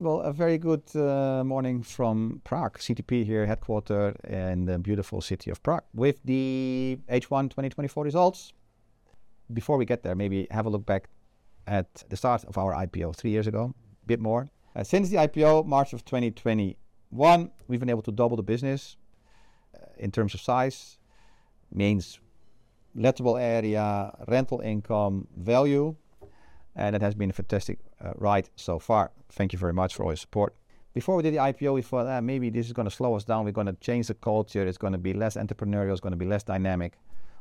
Well, a very good morning from Prague, CTP here, headquartered in the beautiful city of Prague, with the H1 2024 results. Before we get there, maybe have a look back at the start of our IPO three years ago, a bit more. Since the IPO, March of 2021, we've been able to double the business in terms of size, means lettable area, rental income, value, and it has been a fantastic ride so far. Thank you very much for all your support. Before we did the IPO, we thought, maybe this is going to slow us down, we're going to change the culture, it's going to be less entrepreneurial, it's going to be less dynamic.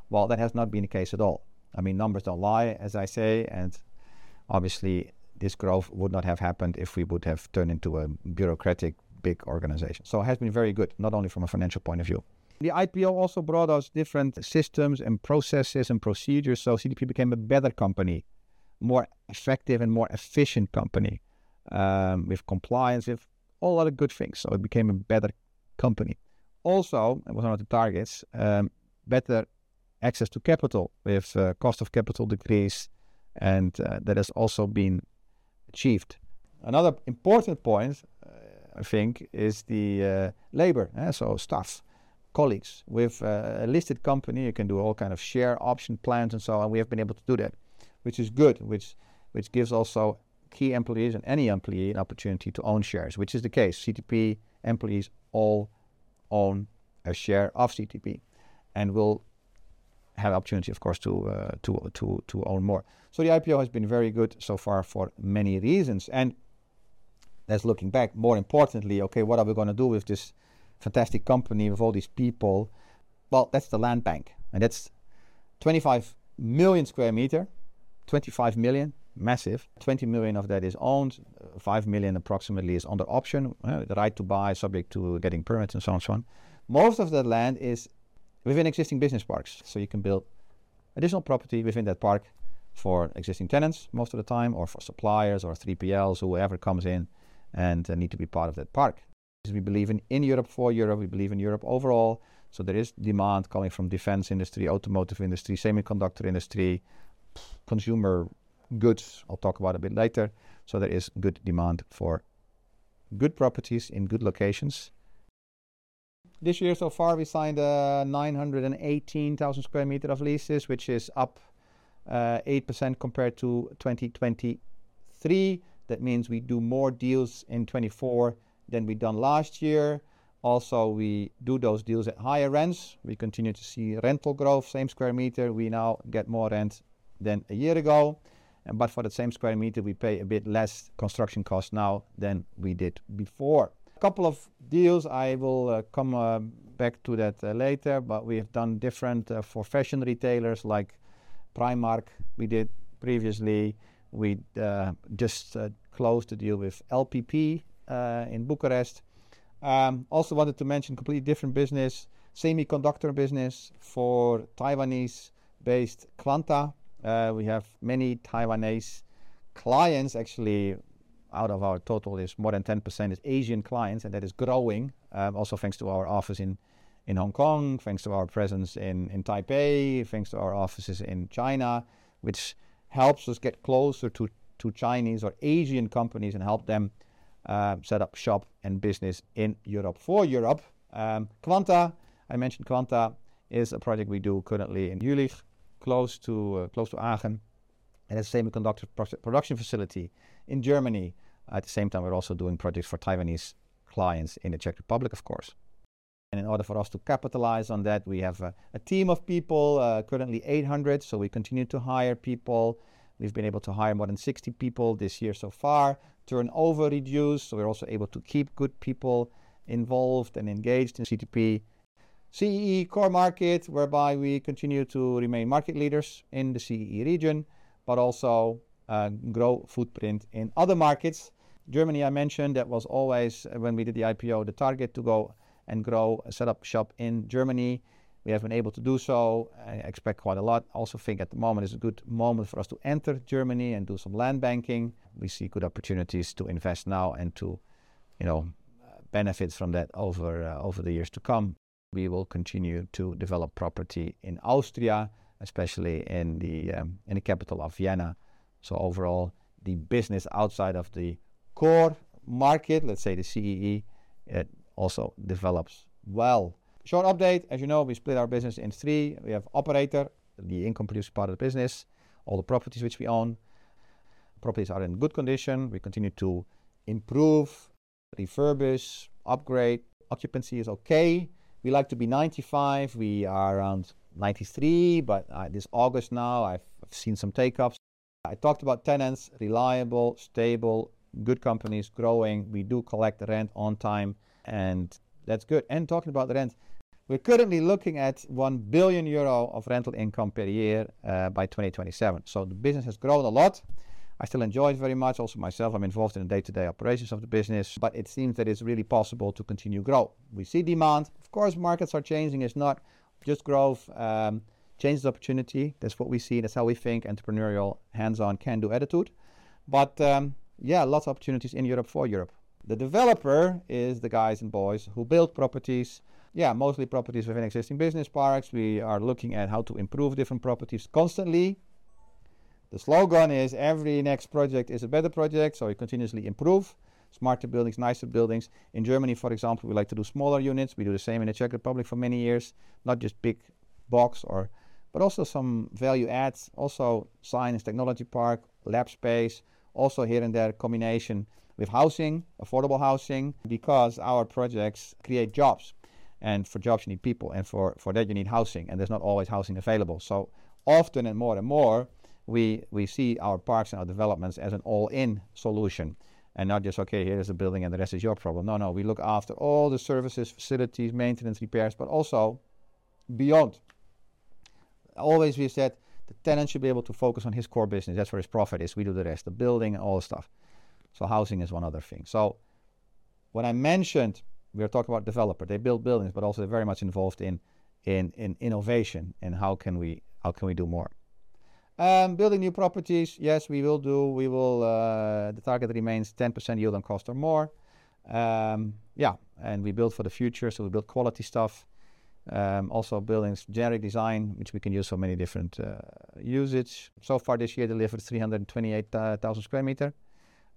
Well, that has not been the case at all. I mean, numbers don't lie, as I say, and obviously this growth would not have happened if we would have turned into a bureaucratic big organization. It has been very good, not only from a financial point of view. The IPO also brought us different systems and processes and procedures, so CTP became a better company, more effective and more efficient company with compliance, with a lot of good things. It became a better company. Also, one of the targets, better access to capital with cost of capital decrease, and that has also been achieved. Another important point, I think, is the labor, so staff, colleagues. With a listed company, you can do all kinds of share option plans and so on, and we have been able to do that, which is good, which gives also key employees and any employee an opportunity to own shares, which is the case. CTP employees all own a share of CTP and will have the opportunity, of course, to own more. So the IPO has been very good so far for many reasons. And that's looking back, more importantly, okay, what are we going to do with this fantastic company with all these people? Well, that's the land bank, and that's 25 million square meters, 25 million, massive. 20 million of that is owned, 5 million approximately is under option, right to buy, subject to getting permits and so on and so on. Most of that land is within existing business parks, so you can build additional property within that park for existing tenants most of the time, or for suppliers or 3PLs or whoever comes in and needs to be part of that park. We believe in Europe, for Europe, we believe in Europe overall, so there is demand coming from the defense industry, automotive industry, semiconductor industry, consumer goods. I'll talk about a bit later, so there is good demand for good properties in good locations. This year, so far, we signed 918,000 square meters of leases, which is up 8% compared to 2023. That means we do more deals in 2024 than we've done last year. Also, we do those deals at higher rents. We continue to see rental growth, same square meter, we now get more rent than a year ago, but for that same square meter, we pay a bit less construction cost now than we did before. A couple of deals, I will come back to that later, but we have done different for fashion retailers like Primark, we did previously. We just closed a deal with LPP in Bucharest. Also wanted to mention a completely different business, semiconductor business for Taiwanese-based Quanta. We have many Taiwanese clients, actually, out of our total, it's more than 10%, it's Asian clients, and that is growing, also thanks to our office in Hong Kong, thanks to our presence in Taipei, thanks to our offices in China, which helps us get closer to Chinese or Asian companies and help them set up shop and business in Europe, for Europe. Quanta, I mentioned Quanta, is a project we do currently in Jülich, close to Aachen, and it's a semiconductor production facility in Germany. At the same time, we're also doing projects for Taiwanese clients in the Czech Republic, of course. In order for us to capitalize on that, we have a team of people, currently 800, so we continue to hire people. We've been able to hire more than 60 people this year so far, turnover reduced, so we're also able to keep good people involved and engaged in CTP. CEE core market, whereby we continue to remain market leaders in the CEE region, but also grow footprint in other markets. Germany, I mentioned, that was always when we did the IPO, the target to go and grow, set up shop in Germany. We have been able to do so, expect quite a lot. Also think at the moment is a good moment for us to enter Germany and do some land banking. We see good opportunities to invest now and to benefit from that over the years to come. We will continue to develop property in Austria, especially in the capital of Vienna. So overall, the business outside of the core market, let's say the CEE, it also develops well. Short update, as you know, we split our business into three. We have operator, the income-producing part of the business, all the properties which we own. Properties are in good condition. We continue to improve, refurbish, upgrade. Occupancy is okay. We like to be 95%. We are around 93%, but this August now, I've seen some takeoffs. I talked about tenants, reliable, stable, good companies, growing. We do collect the rent on time, and that's good. Talking about the rent, we're currently looking at 1 billion euro of rental income per year by 2027. The business has grown a lot. I still enjoy it very much. Also myself, I'm involved in the day-to-day operations of the business, but it seems that it's really possible to continue to grow. We see demand. Of course, markets are changing. It's not just growth, change is opportunity. That's what we see. That's how we think entrepreneurial, hands-on can do attitude. But yeah, lots of opportunities in Europe, for Europe. The developer is the guys and boys who build properties. Yeah, mostly properties within existing business parks. We are looking at how to improve different properties constantly. The slogan is, "Every next project is a better project," so we continuously improve. Smarter buildings, nicer buildings. In Germany, for example, we like to do smaller units. We do the same in the Czech Republic for many years. Not just big box, but also some value adds. Also science, technology park, lab space, also here and there combination with housing, affordable housing, because our projects create jobs. And for jobs, you need people, and for that, you need housing, and there's not always housing available. So often and more and more, we see our parks and our developments as an all-in solution and not just, "Okay, here is a building and the rest is your problem." No, no, we look after all the services, facilities, maintenance, repairs, but also beyond. Always we've said the tenant should be able to focus on his core business. That's where his profit is. We do the rest, the building and all the stuff. So housing is one other thing. So when I mentioned, we are talking about developers. They build buildings, but also they're very much involved in innovation and how can we do more. Building new properties, yes, we will do. The target remains 10% yield on cost or more. Yeah, and we build for the future, so we build quality stuff. Also buildings, generic design, which we can use for many different uses. So far this year, delivered 328,000 sq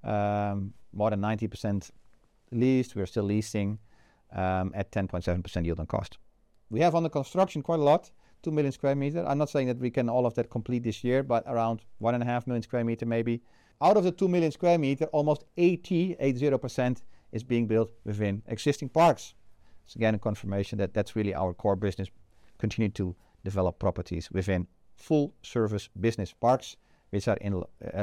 m, more than 90% leased. We're still leasing at 10.7% yield on cost. We have under construction quite a lot, 2 million sq m. I'm not saying that we can all of that complete this year, but around 1.5 million sq m maybe. Out of the 2 million sq m, almost 80% is being built within existing parks. It's again a confirmation that that's really our core business, continue to develop properties within full-service business parks, which are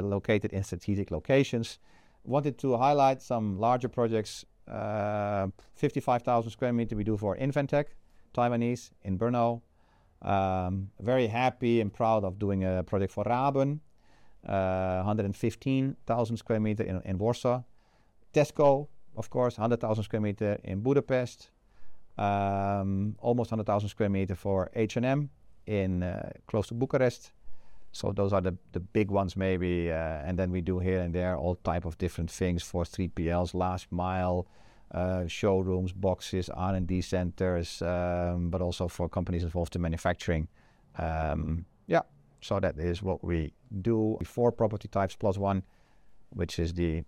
located in strategic locations. Wanted to highlight some larger projects. 55,000 sq m we do for Inventec, Taiwanese in Brno. Very happy and proud of doing a project for Raben, 115,000 sq m in Warsaw. Tesco, of course, 100,000 sq m in Budapest. Almost 100,000 sq m for H&M close to Bucharest. So those are the big ones maybe. And then we do here and there all types of different things for 3PLs, last mile showrooms, boxes, R&D centers, but also for companies involved in manufacturing. Yeah, so that is what we do. 24 property types plus one, which is the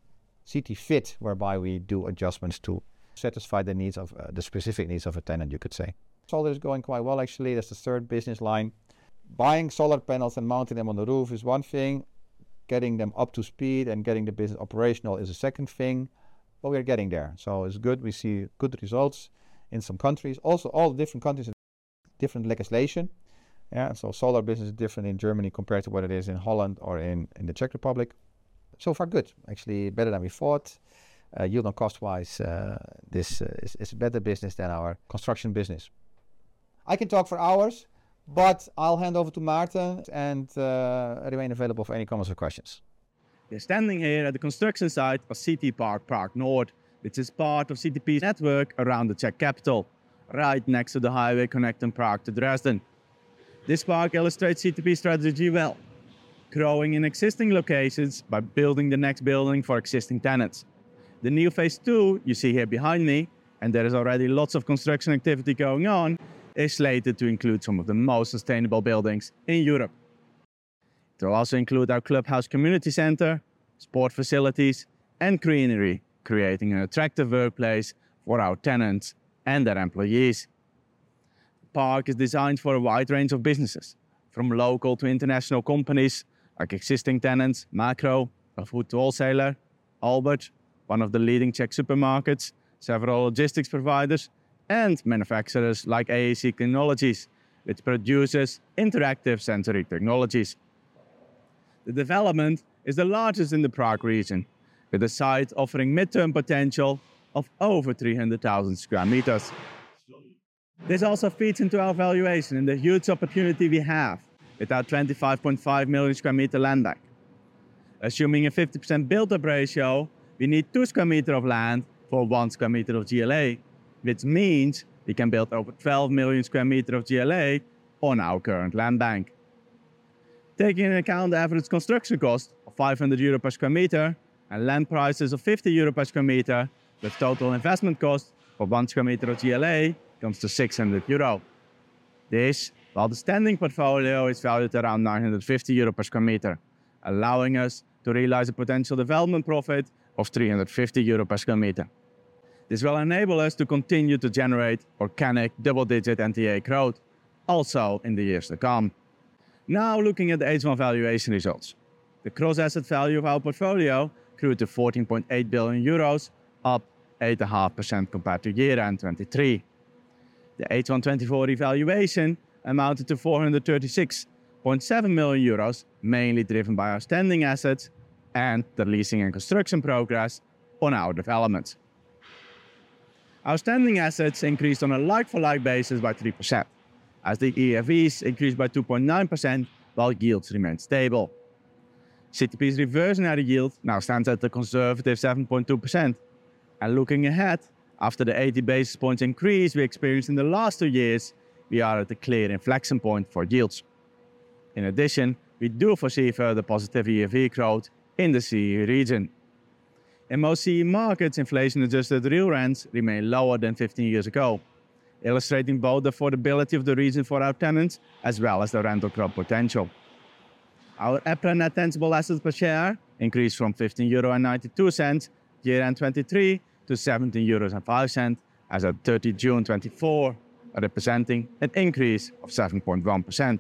CT Fit, whereby we do adjustments to satisfy the specific needs of a tenant, you could say. Solar is going quite well, actually. That's the third business line. Buying solar panels and mounting them on the roof is one thing. Getting them up to speed and getting the business operational is a second thing, but we're getting there. So it's good. We see good results in some countries. Also, all the different countries have different legislation. Yeah, so solar business is different in Germany compared to what it is in Holland or in the Czech Republic. So far good, actually better than we thought. Yield on cost-wise, this is a better business than our construction business. I can talk for hours, but I'll hand over to Maarten and remain available for any comments or questions. We're standing here at the construction site of CTPark Prague North, which is part of CTP's network around the Czech capital, right next to the highway connecting Prague to Dresden. This park illustrates CTP's strategy well, growing in existing locations by building the next building for existing tenants. The new phase two, you see here behind me, and there is already lots of construction activity going on, is slated to include some of the most sustainable buildings in Europe. It will also include our clubhouse community center, sport facilities, and greenery, creating an attractive workplace for our tenants and their employees. The park is designed for a wide range of businesses, from local to international companies like existing tenants, Makro, a food wholesaler, Albert, one of the leading Czech supermarkets, several logistics providers, and manufacturers like AAC Technologies, which produces interactive sensory technologies. The development is the largest in the Prague region, with the site offering midterm potential of over 300,000 square meters. This also feeds into our valuation and the huge opportunity we have with our 25.5 million square meter land bank. Assuming a 50% build-up ratio, we need 2 square meters of land for 1 square meter of GLA, which means we can build over 12 million square meters of GLA on our current land bank. Taking into account the average construction cost of 500 euro per square meter and land prices of 50 euro per square meter, the total investment cost for 1 square meter of GLA comes to 600 euro. This, while the standing portfolio is valued at around 950 euro per square meter, allows us to realize a potential development profit of 350 euro per square meter. This will enable us to continue to generate organic double-digit NTA growth also in the years to come. Now looking at the H1 valuation results, the cross-asset value of our portfolio grew to 14.8 billion euros, up 8.5% compared to year-end 2023. The H1 2024 revaluation amounted to 436.7 million euros, mainly driven by our standing assets and the leasing and construction progress on our developments. Our standing assets increased on a like-for-like basis by 3%, as the EFEs increased by 2.9%, while yields remained stable. CTP's reversionary yield now stands at a conservative 7.2%. Looking ahead, after the 80 basis points increase we experienced in the last two years, we are at a clear inflection point for yields. In addition, we do foresee further positive EFE growth in the CEE region. In most CEE markets, inflation-adjusted real rents remain lower than 15 years ago, illustrating both the affordability of the region for our tenants as well as the rental growth potential. Our EPRA NAV per share increased from 15.92 euro year-end 2023 to 17.05 euros as of 30 June 2024, representing an increase of 7.1%.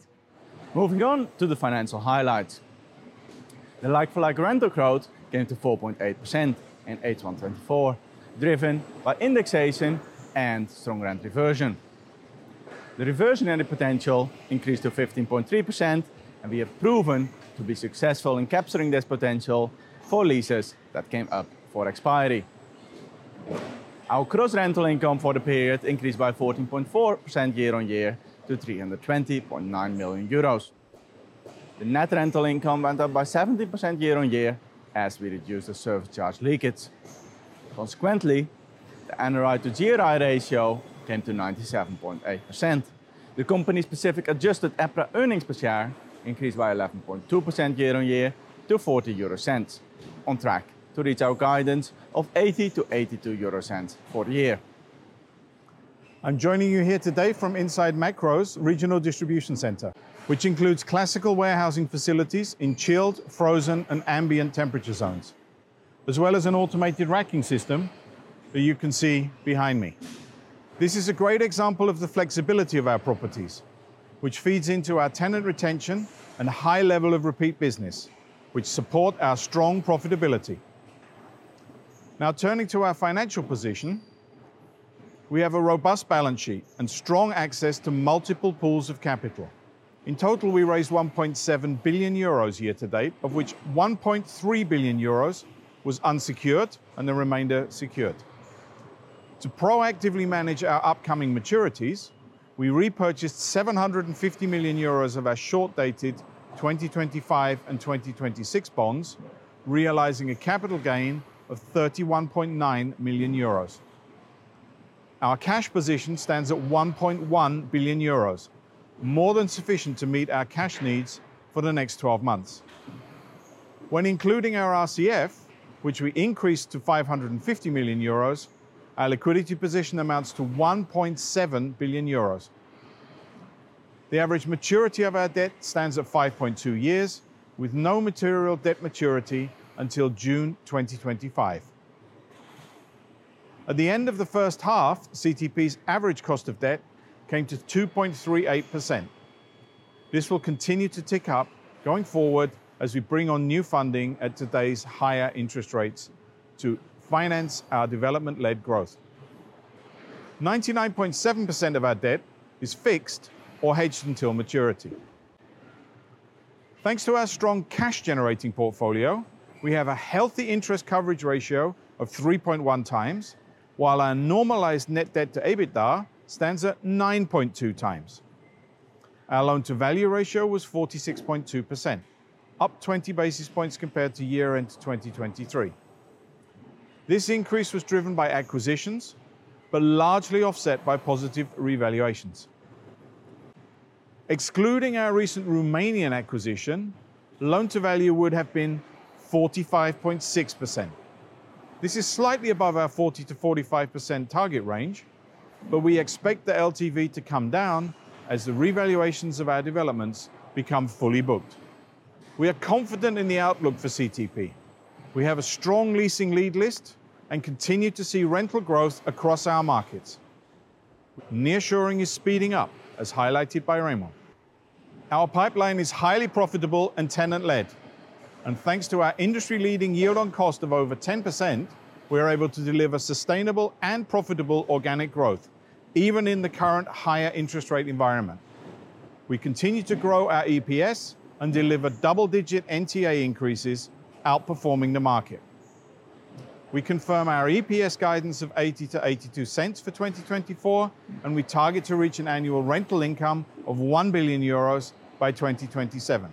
Moving on to the financial highlights. The like-for-like rental growth came to 4.8% in H1-2024, driven by indexation and strong rent reversion. The reversionary potential increased to 15.3%, and we have proven to be successful in capturing this potential for leases that came up for expiry. Our gross rental income for the period increased by 14.4% year-on-year to 320.9 million euros. The net rental income went up by 17% year-on-year as we reduced the service charge leakage. Consequently, the NRI to GRI ratio came to 97.8%. The company-specific adjusted EPRA earnings per share increased by 11.2% year-on-year to 0.40, on track to reach our guidance of 0.80-0.82 euro for the year. I'm joining you here today from inside Makro's regional distribution center, which includes classical warehousing facilities in chilled, frozen, and ambient temperature zones, as well as an automated racking system that you can see behind me. This is a great example of the flexibility of our properties, which feeds into our tenant retention and high level of repeat business, which support our strong profitability. Now turning to our financial position, we have a robust balance sheet and strong access to multiple pools of capital. In total, we raised 1.7 billion euros year-to-date, of which 1.3 billion euros was unsecured and the remainder secured. To proactively manage our upcoming maturities, we repurchased 750 million euros of our short-dated 2025 and 2026 bonds, realizing a capital gain of 31.9 million euros. Our cash position stands at 1.1 billion euros, more than sufficient to meet our cash needs for the next 12 months. When including our RCF, which we increased to 550 million euros, our liquidity position amounts to 1.7 billion euros. The average maturity of our debt stands at 5.2 years, with no material debt maturity until June 2025. At the end of the first half, CTP's average cost of debt came to 2.38%. This will continue to tick up going forward as we bring on new funding at today's higher interest rates to finance our development-led growth. 99.7% of our debt is fixed or hedged until maturity. Thanks to our strong cash-generating portfolio, we have a healthy interest coverage ratio of 3.1 times, while our normalized net debt to EBITDA stands at 9.2 times. Our loan-to-value ratio was 46.2%, up 20 basis points compared to year-end 2023. This increase was driven by acquisitions, but largely offset by positive revaluations. Excluding our recent Romanian acquisition, loan-to-value would have been 45.6%. This is slightly above our 40%-45% target range, but we expect the LTV to come down as the revaluations of our developments become fully booked. We are confident in the outlook for CTP. We have a strong leasing lead list and continue to see rental growth across our markets. Nearshoring is speeding up, as highlighted by Remon. Our pipeline is highly profitable and tenant-led. Thanks to our industry-leading yield on cost of over 10%, we are able to deliver sustainable and profitable organic growth, even in the current higher interest rate environment. We continue to grow our EPS and deliver double-digit NTA increases, outperforming the market. We confirm our EPS guidance of 0.80-0.82 for 2024, and we target to reach an annual rental income of 1 billion euros by 2027.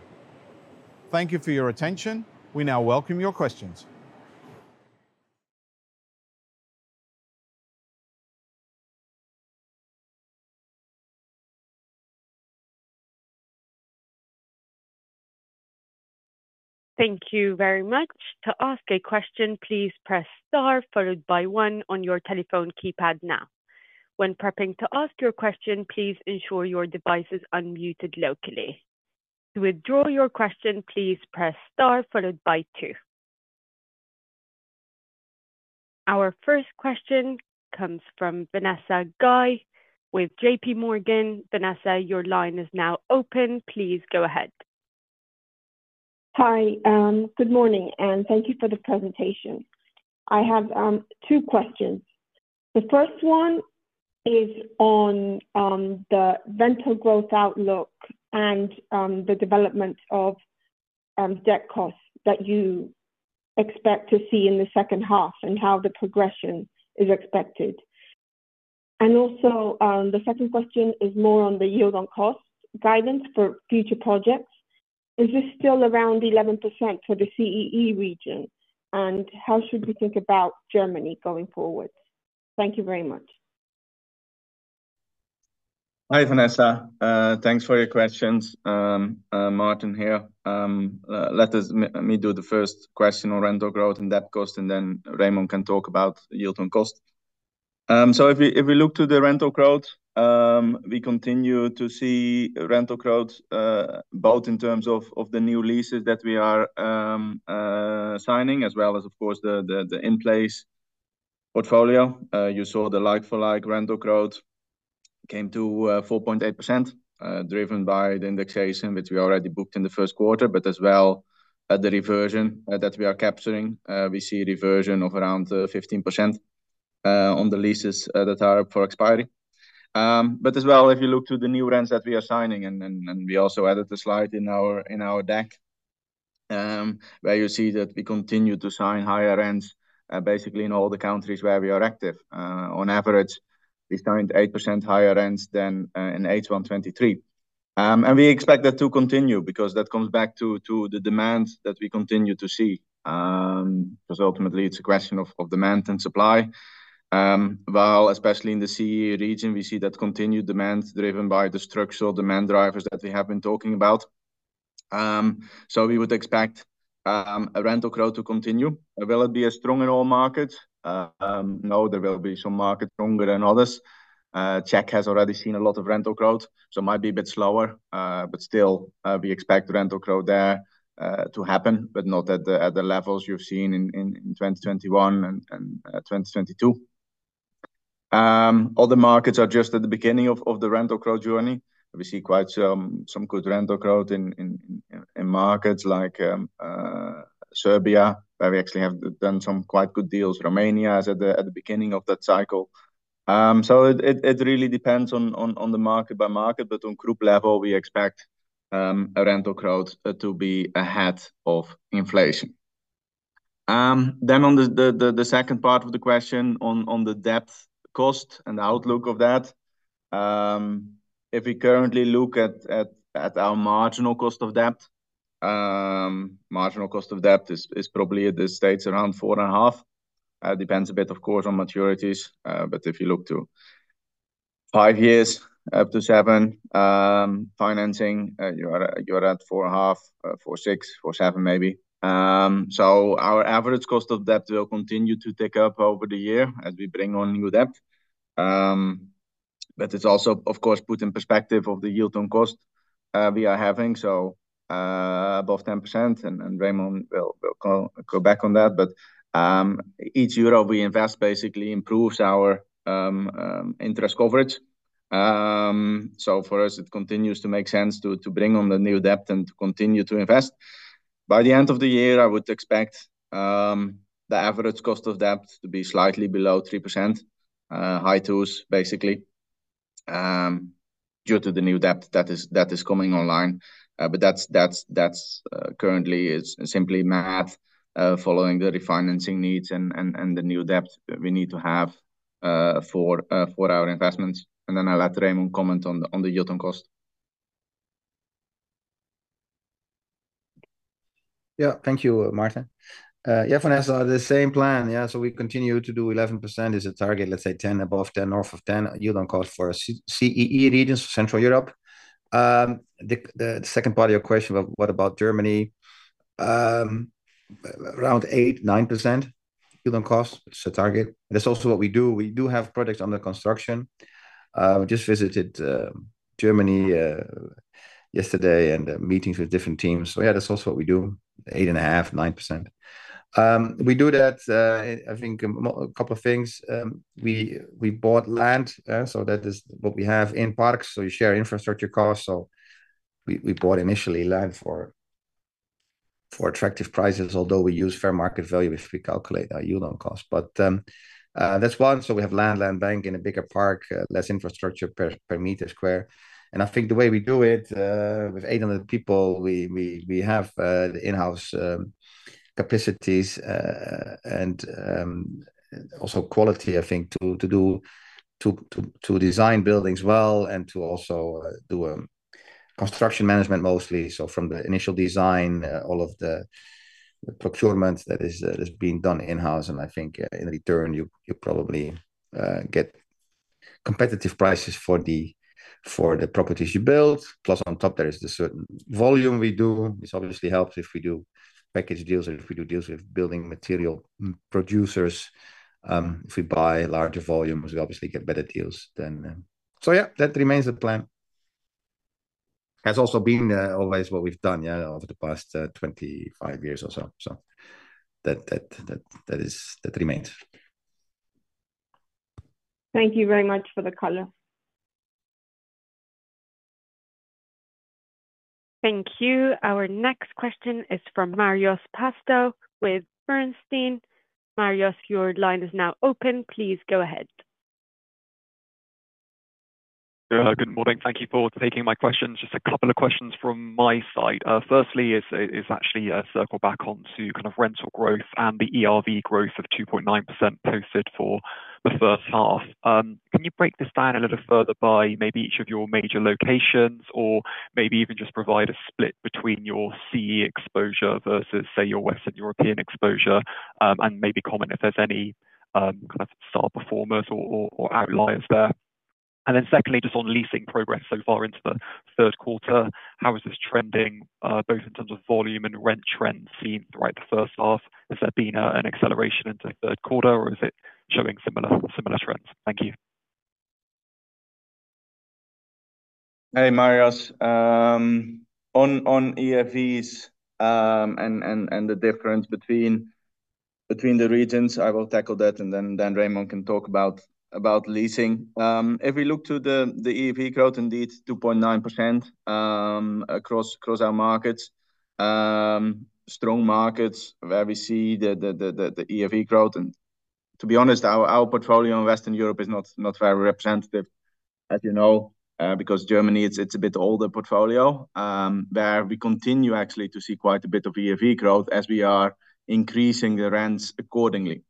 Thank you for your attention. We now welcome your questions. Thank you very much. To ask a question, please press star followed by one on your telephone keypad now. When prepping to ask your question, please ensure your device is unmuted locally. To withdraw your question, please press star followed by two. Our first question comes from Vanessa Guy with J.P. Morgan. Vanessa, your line is now open. Please go ahead. Hi, good morning, and thank you for the presentation. I have two questions. The first one is on the rental growth outlook and the development of debt costs that you expect to see in the second half and how the progression is expected. And also, the second question is more on the yield on cost guidance for future projects. Is this still around 11% for the CEE region? And how should we think about Germany going forward? Thank you very much. Hi, Vanessa. Thanks for your questions. Maarten here. Let me do the first question on rental growth and debt cost, and then Remon can talk about yield on cost. So if we look to the rental growth, we continue to see rental growth both in terms of the new leases that we are signing, as well as, of course, the in-place portfolio. You saw the like-for-like rental growth came to 4.8%, driven by the indexation, which we already booked in the first quarter, but as well as the reversion that we are capturing. We see a reversion of around 15% on the leases that are up for expiry. But as well, if you look to the new rents that we are signing, and we also added the slide in our deck, where you see that we continue to sign higher rents, basically in all the countries where we are active. On average, we signed 8% higher rents than in H1-2023. We expect that to continue because that comes back to the demand that we continue to see. Because ultimately, it's a question of demand and supply. While, especially in the CEE region, we see that continued demand driven by the structural demand drivers that we have been talking about. We would expect rental growth to continue. Will it be a stronger all market? No, there will be some markets stronger than others. Czech has already seen a lot of rental growth, so it might be a bit slower, but still, we expect rental growth there to happen, but not at the levels you've seen in 2021 and 2022. All the markets are just at the beginning of the rental growth journey. We see quite some good rental growth in markets like Serbia, where we actually have done some quite good deals. Romania is at the beginning of that cycle. So it really depends on the market by market, but on group level, we expect rental growth to be ahead of inflation. Then on the second part of the question on the debt cost and the outlook of that, if we currently look at our marginal cost of debt, marginal cost of debt is probably at this stage around 4.5%. It depends a bit, of course, on maturities, but if you look to 5 years up to 7 financing, you're at 4.5%, 4.6%, 4.7% maybe. So our average cost of debt will continue to tick up over the year as we bring on new debt. But it's also, of course, put in perspective of the yield on cost we are having, so above 10%, and Raymond will go back on that. But each euro we invest basically improves our interest coverage. So for us, it continues to make sense to bring on the new debt and to continue to invest. By the end of the year, I would expect the average cost of debt to be slightly below 3%, high twos basically, due to the new debt that is coming online. But that's currently simply math following the refinancing needs and the new debt we need to have for our investments. And then I'll let Remon comment on the yield on cost. Yeah, thank you, Maarten. Yeah, Vanessa, the same plan. Yeah, so we continue to do 11% is a target, let's say 10 above 10, north of 10 yield on cost for CEE regions, Central Europe. The second part of your question, what about Germany? Around 8%, 9% yield on cost, it's a target. That's also what we do. We do have projects under construction. We just visited Germany yesterday and meetings with different teams. So yeah, that's also what we do, 8.5%, 9%. We do that, I think, a couple of things. We bought land, so that is what we have in parks. So you share infrastructure costs. So we bought initially land for attractive prices, although we use fair market value if we calculate our yield on cost. But that's one. So we have land, land bank in a bigger park, less infrastructure per meter square. And I think the way we do it, with 800 people, we have in-house capacities and also quality, I think, to design buildings well and to also do construction management mostly. So from the initial design, all of the procurement that is being done in-house. And I think in return, you probably get competitive prices for the properties you build. Plus on top, there is the certain volume we do. It obviously helps if we do package deals or if we do deals with building material producers. If we buy larger volumes, we obviously get better deals. So yeah, that remains the plan. Has also been always what we've done over the past 25 years or so. So that remains. Thank you very much for the color. Thank you. Our next question is from Marios Pastou with Bernstein. Marios, your line is now open. Please go ahead. Good morning. Thank you for taking my questions. Just a couple of questions from my side. Firstly is actually a circle back onto kind of rental growth and the ERV growth of 2.9% posted for the first half. Can you break this down a little further by maybe each of your major locations or maybe even just provide a split between your CEE exposure versus, say, your Western European exposure and maybe comment if there's any kind of star performers or outliers there? And then secondly, just on leasing progress so far into the third quarter, how is this trending both in terms of volume and rent trends seen throughout the first half? Has there been an acceleration into the third quarter, or is it showing similar trends? Thank you. Hey, Marios. On ERVs and the difference between the regions, I will tackle that, and then Remon can talk about leasing. If we look to the ERV growth, indeed, 2.9% across our markets. Strong markets where we see the ERV growth. And to be honest, our portfolio in Western Europe is not very representative, as you know, because Germany, it's a bit older portfolio where we continue actually to see quite a bit of ERV growth as we are increasing the rents accordingly.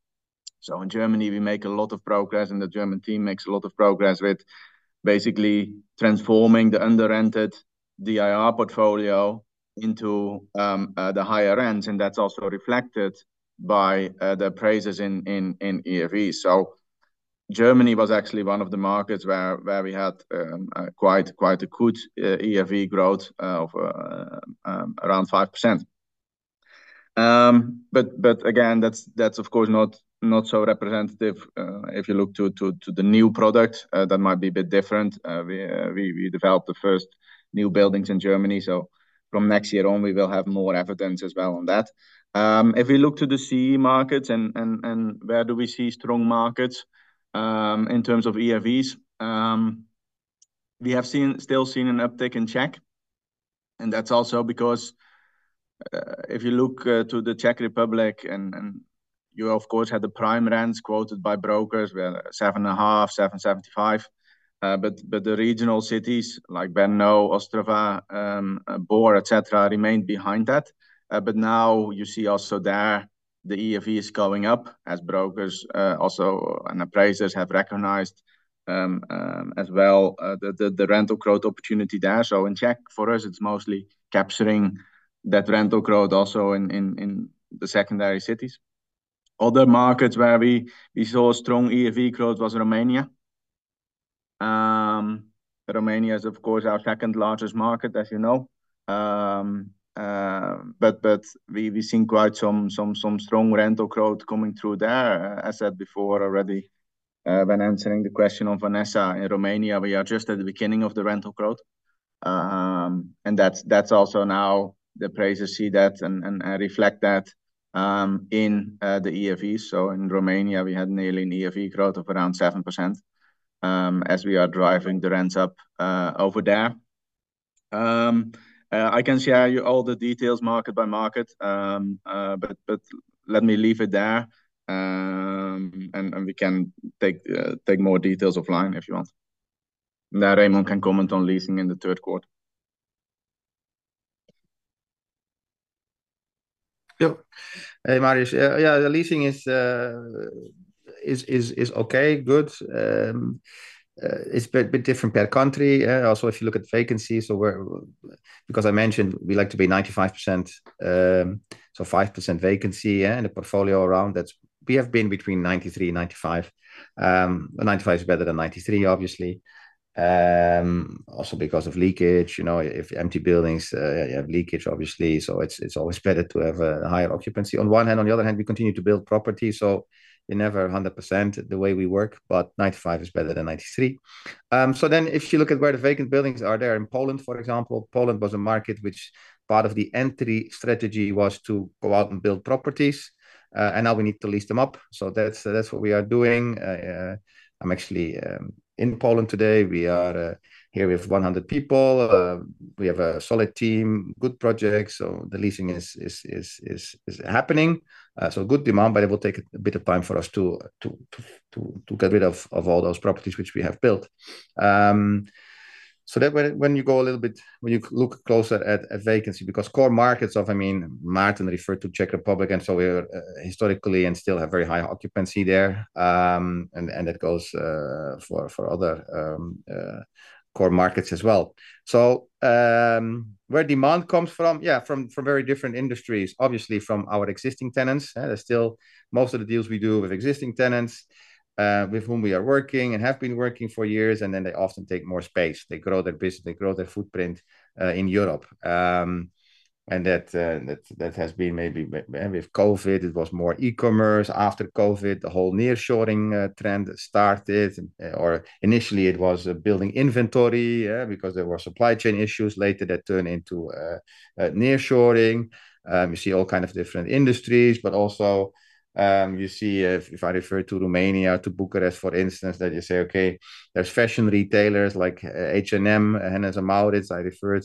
So in Germany, we make a lot of progress, and the German team makes a lot of progress with basically transforming the under-rented DIR portfolio into the higher rents, and that's also reflected by the appraisers in ERVs. So Germany was actually one of the markets where we had quite a good ERV growth of around 5%. But again, that's of course not so representative. If you look to the new product, that might be a bit different. We developed the first new buildings in Germany. So from next year on, we will have more evidence as well on that. If we look to the CEE markets and where do we see strong markets in terms of ERVs, we have still seen an uptick in Czech. And that's also because if you look to the Czech Republic, you of course had the prime rents quoted by brokers where 7.5%, 7.75%. But the regional cities like Brno, Ostrava, Bor, etc., remained behind that. But now you see also there the ERV is going up as brokers also and appraisers have recognized as well the rental growth opportunity there. So in Czech, for us, it's mostly capturing that rental growth also in the secondary cities. Other markets where we saw strong ERV growth was Romania. Romania is, of course, our second largest market, as you know. But we've seen quite some strong rental growth coming through there. As I said before already, when answering the question of Vanessa in Romania, we are just at the beginning of the rental growth. And that's also now the appraisers see that and reflect that in the ERVs. So in Romania, we had nearly an ERV growth of around 7% as we are driving the rents up over there. I can share all the details market by market, but let me leave it there. And we can take more details offline if you want. Now, Remon can comment on leasing in the third quarter. Yep. Hey, Marios. Yeah, the leasing is okay, good. It's a bit different per country. Also, if you look at vacancy, because I mentioned we like to be 95%, so 5% vacancy in the portfolio around that. We have been 93%-95%. 95% is better than 93%, obviously. Also because of leakage. If empty buildings have leakage, obviously, so it's always better to have a higher occupancy. On one hand, on the other hand, we continue to build properties, so we're never 100% the way we work, but 95% is better than 93%. So then if you look at where the vacant buildings are there in Poland, for example, Poland was a market which part of the entry strategy was to go out and build properties, and now we need to lease them up. So that's what we are doing. I'm actually in Poland today. We are here with 100 people. We have a solid team, good projects. So the leasing is happening. So good demand, but it will take a bit of time for us to get rid of all those properties which we have built. So when you go a little bit, when you look closer at vacancy, because core markets of, I mean, Maarten referred to Czech Republic, and so we historically and still have very high occupancy there. And that goes for other core markets as well. So where demand comes from, yeah, from very different industries, obviously from our existing tenants. Most of the deals we do with existing tenants with whom we are working and have been working for years, and then they often take more space. They grow their business, they grow their footprint in Europe. And that has been maybe with COVID, it was more e-commerce. After COVID, the whole near-shoring trend started, or initially it was building inventory because there were supply chain issues. Later that turned into near-shoring. You see all kinds of different industries, but also you see if I refer to Romania, to Bucharest, for instance, that you say, okay, there's fashion retailers like H&M, Hennes & Mauritz. I referred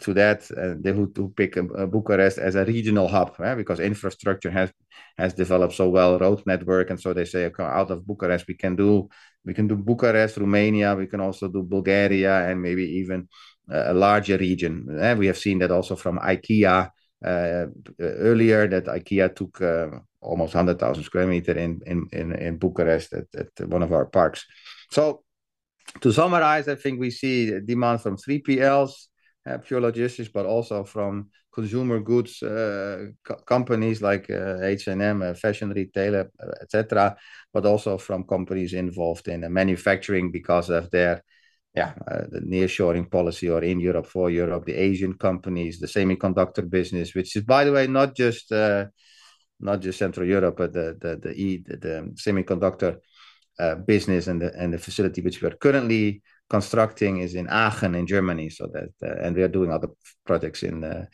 to that. They would pick Bucharest as a regional hub because infrastructure has developed so well, road network. And so they say, okay, out of Bucharest, we can do Bucharest, Romania. We can also do Bulgaria and maybe even a larger region. We have seen that also from IKEA earlier, that IKEA took almost 100,000 square meters in Bucharest at one of our parks. So to summarize, I think we see demand from 3PLs, pure logistics, but also from consumer goods companies like H&M, fashion retailer, etc., but also from companies involved in manufacturing because of their, yeah, the near-shoring policy or in Europe for Europe, the Asian companies, the semiconductor business, which is, by the way, not just Central Europe, but the semiconductor business and the facility which we are currently constructing is in Aachen in Germany. And we are doing other projects in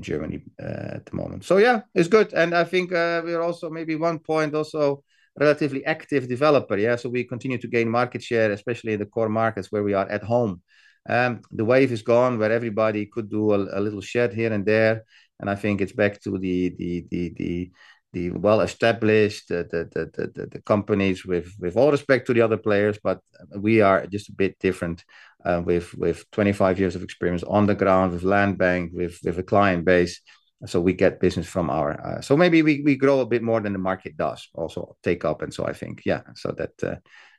Germany at the moment. So yeah, it's good. And I think we are also maybe one point also relatively active developer. Yeah, so we continue to gain market share, especially in the core markets where we are at home. The wave is gone where everybody could do a little shed here and there. I think it's back to the well-established companies with all respect to the other players, but we are just a bit different with 25 years of experience on the ground with land bank, with a client base. So we get business from our... So maybe we grow a bit more than the market does also take up. And so I think, yeah, so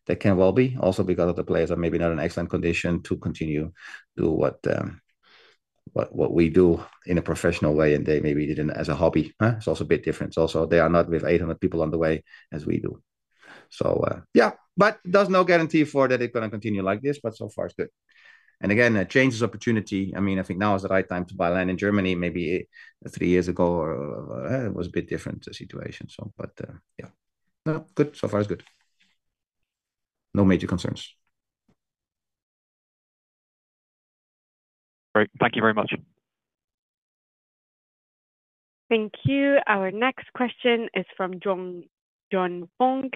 that can well be also because other players are maybe not in excellent condition to continue to do what we do in a professional way and they maybe didn't as a hobby. It's also a bit different. It's also they are not with 800 people on the way as we do. So yeah, but there's no guarantee for that it's going to continue like this, but so far it's good. And again, change is opportunity. I mean, I think now is the right time to buy land in Germany. Maybe three years ago it was a bit different situation. But yeah, no, good. So far it's good. No major concerns. Great. Thank you very much. Thank you. Our next question is from John Vuong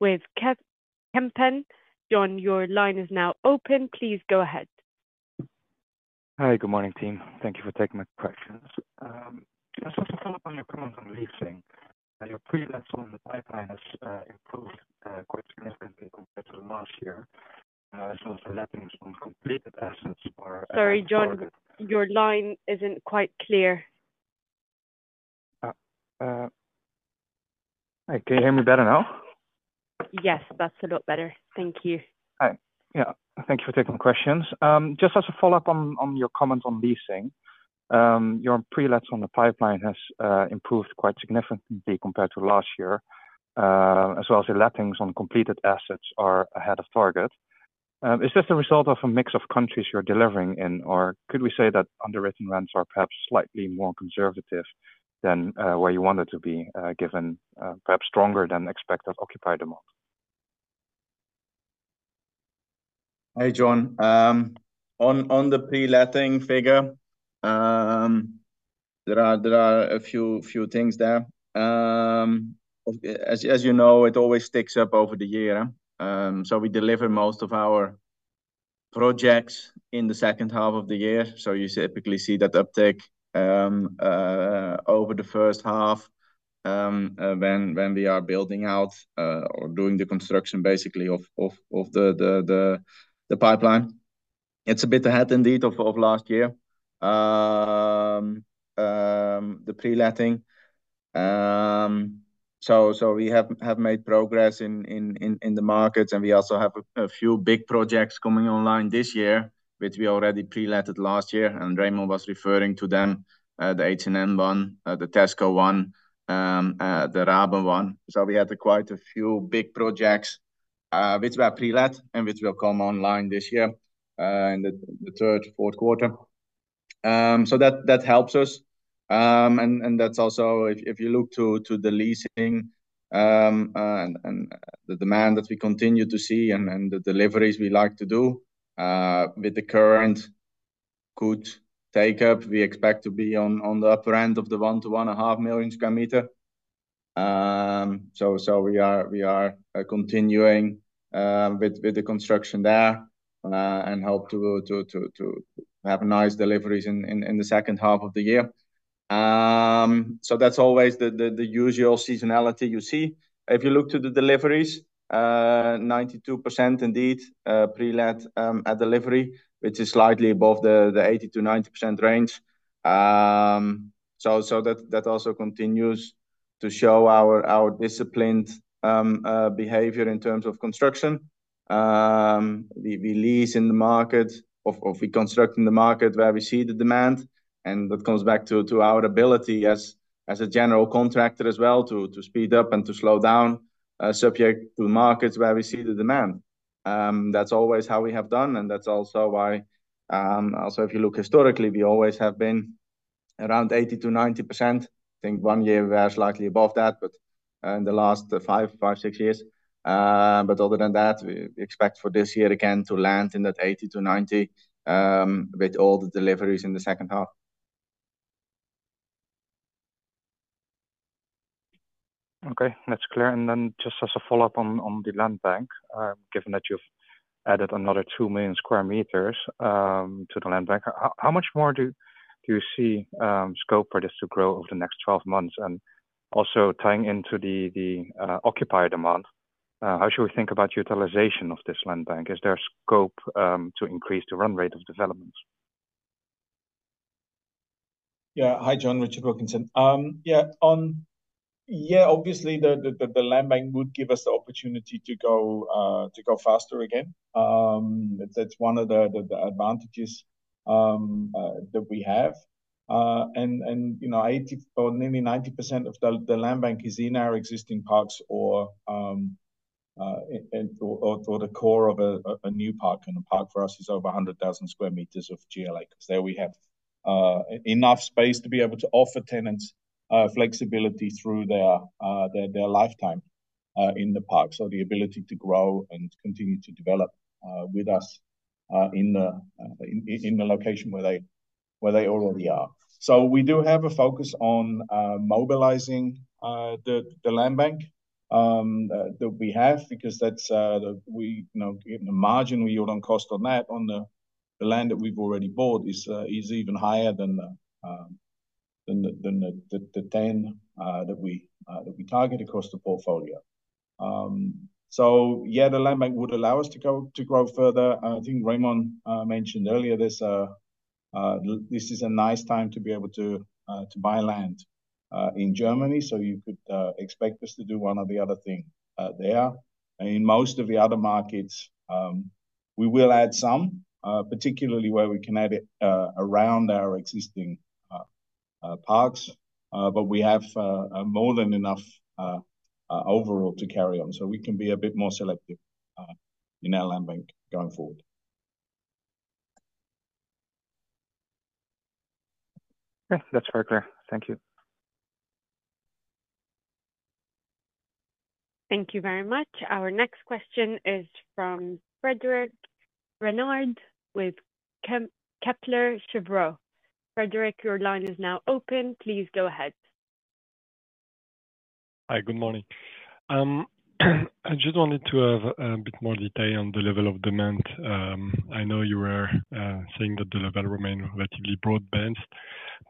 with Kempen. John, your line is now open. Please go ahead. Hi, good morning, team. Thank you for taking my questions. Just want to follow up on your comment on leasing. Your pre-lets on the pipeline has improved quite significantly compared to last year. There's also lettings on completed assets or... Sorry, John, your line isn't quite clear. Okay, hear me better now? Yes, that's a lot better. Thank you. Hi. Yeah, thank you for taking questions. Just as a follow-up on your comment on leasing, your pre-lets on the pipeline has improved quite significantly compared to last year, as well as the lettings on completed assets are ahead of target. Is this the result of a mix of countries you're delivering in, or could we say that underwritten rents are perhaps slightly more conservative than where you wanted to be, given perhaps stronger than expected occupancy? Hey, John. On the preletting figure, there are a few things there. As you know, it always sticks up over the year. So we deliver most of our projects in the second half of the year. So you typically see that uptake over the first half when we are building out or doing the construction basically of the pipeline. It's a bit ahead indeed of last year, the preletting. So we have made progress in the markets, and we also have a few big projects coming online this year, which we already preletted last year. And Raymond was referring to them, the H&M one, the Tesco one, the Raben one. So we had quite a few big projects which were preletted and which will come online this year in the third, fourth quarter. So that helps us. That's also if you look to the leasing and the demand that we continue to see and the deliveries we like to do with the current good take-up, we expect to be on the upper end of the 1-1.5 million square meters. We are continuing with the construction there and hope to have nice deliveries in the second half of the year. That's always the usual seasonality you see. If you look to the deliveries, 92% indeed preletted at delivery, which is slightly above the 80%-90% range. That also continues to show our disciplined behavior in terms of construction. We lease in the market or we construct in the market where we see the demand. And that comes back to our ability as a general contractor as well to speed up and to slow down subject to markets where we see the demand. That's always how we have done. And that's also why also if you look historically, we always have been around 80%-90%. I think one year we are slightly above that, but in the last 5-6 years. But other than that, we expect for this year again to land in that 80%-90% with all the deliveries in the second half. Okay, that's clear. And then just as a follow-up on the land bank, given that you've added another 2 million square meters to the land bank, how much more do you see scope for this to grow over the next 12 months? And also tying into the occupier demand, how should we think about utilization of this land bank? Is there scope to increase the run rate of developments? Yeah. Hi, John, Richard Wilkinson. Yeah, obviously the land bank would give us the opportunity to go faster again. That's one of the advantages that we have. Nearly 90% of the land bank is in our existing parks or the core of a new park. A park for us is over 100,000 square meters of GLA because there we have enough space to be able to offer tenants flexibility through their lifetime in the park. So the ability to grow and continue to develop with us in the location where they already are. We do have a focus on mobilizing the land bank that we have because that's the margin we yield on cost on that. On the land that we've already bought is even higher than the 10% that we target across the portfolio. Yeah, the land bank would allow us to grow further. I think Remon mentioned earlier this is a nice time to be able to buy land in Germany. So you could expect us to do one of the other things there. In most of the other markets, we will add some, particularly where we can add it around our existing parks. But we have more than enough overall to carry on. So we can be a bit more selective in our land bank going forward. Yeah, that's very clear. Thank you. Thank you very much. Our next question is from Frédéric Renard with Kepler Cheuvreux. Frédéric, your line is now open. Please go ahead. Hi, good morning. I just wanted to have a bit more detail on the level of demand. I know you were saying that the level remained relatively broad-based,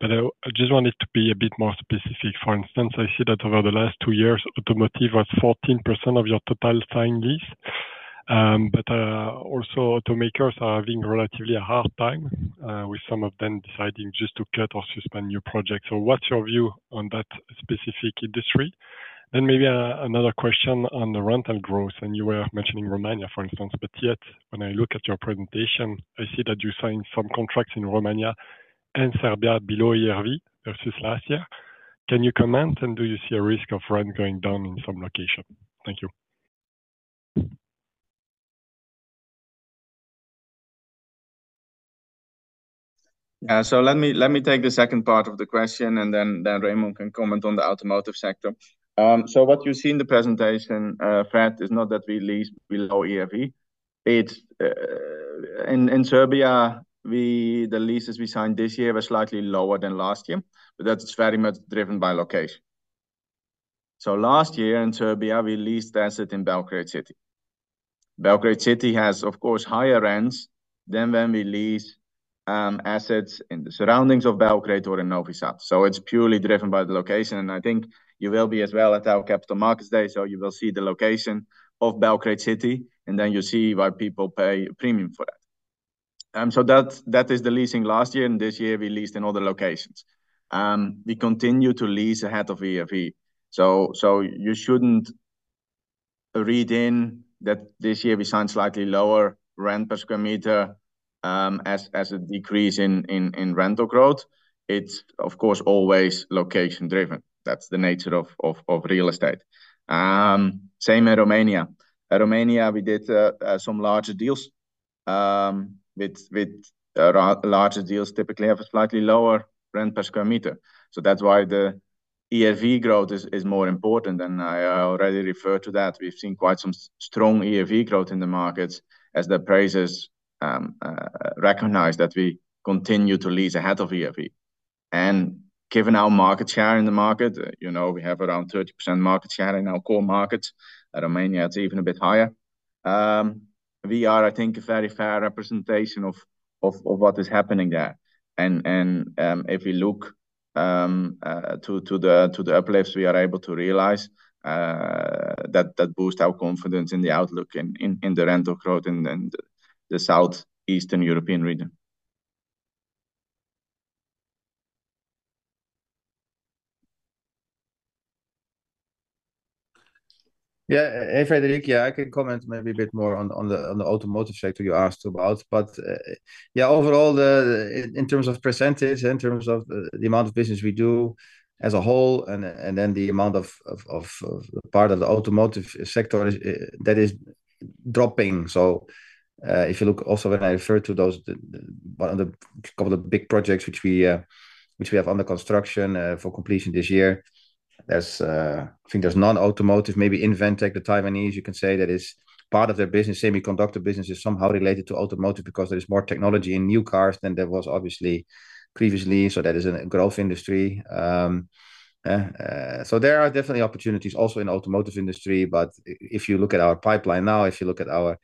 but I just wanted to be a bit more specific. For instance, I see that over the last two years, automotive was 14% of your total signed lease. But also automakers are having relatively a hard time with some of them deciding just to cut or suspend new projects. So what's your view on that specific industry? Then maybe another question on the rental growth. And you were mentioning Romania, for instance. But yet, when I look at your presentation, I see that you signed some contracts in Romania and Serbia below ERV versus last year. Can you comment and do you see a risk of rent going down in some location? Thank you. Yeah, so let me take the second part of the question, and then Remon can comment on the automotive sector. So what you see in the presentation, Fred, is not that we lease below ERV. In Serbia, the leases we signed this year were slightly lower than last year, but that's very much driven by location. So last year in Serbia, we leased assets in Belgrade City. Belgrade City has, of course, higher rents than when we lease assets in the surroundings of Belgrade or in Novi Sad. So it's purely driven by the location. And I think you will be as well at our Capital Markets Day, so you will see the location of Belgrade City, and then you see why people pay a premium for that. So that is the leasing last year, and this year we leased in other locations. We continue to lease ahead of ERV. So you shouldn't read in that this year we signed slightly lower rent per square meter as a decrease in rental growth. It's, of course, always location-driven. That's the nature of real estate. Same in Romania. In Romania, we did some larger deals, with larger deals typically have a slightly lower rent per square meter. So that's why the ERV growth is more important. And I already referred to that. We've seen quite some strong ERV growth in the markets as the prices recognize that we continue to lease ahead of ERV. And given our market share in the market, we have around 30% market share in our core markets. In Romania, it's even a bit higher. We are, I think, a very fair representation of what is happening there. And if we look to the uplifts, we are able to realize that boosts our confidence in the outlook in the rental growth in the southeastern European region. Yeah, hey, Frédéric, yeah, I can comment maybe a bit more on the automotive sector you asked about. But yeah, overall, in terms of percentage, in terms of the amount of business we do as a whole, and then the amount of part of the automotive sector that is dropping. So if you look also when I refer to those one of the couple of big projects which we have under construction for completion this year, I think there's non-automotive, maybe Inventec, the Taiwanese, you can say that is part of their business. Semiconductor business is somehow related to automotive because there is more technology in new cars than there was obviously previously. So that is a growth industry. So there are definitely opportunities also in the automotive industry. But if you look at our pipeline now, if you look at our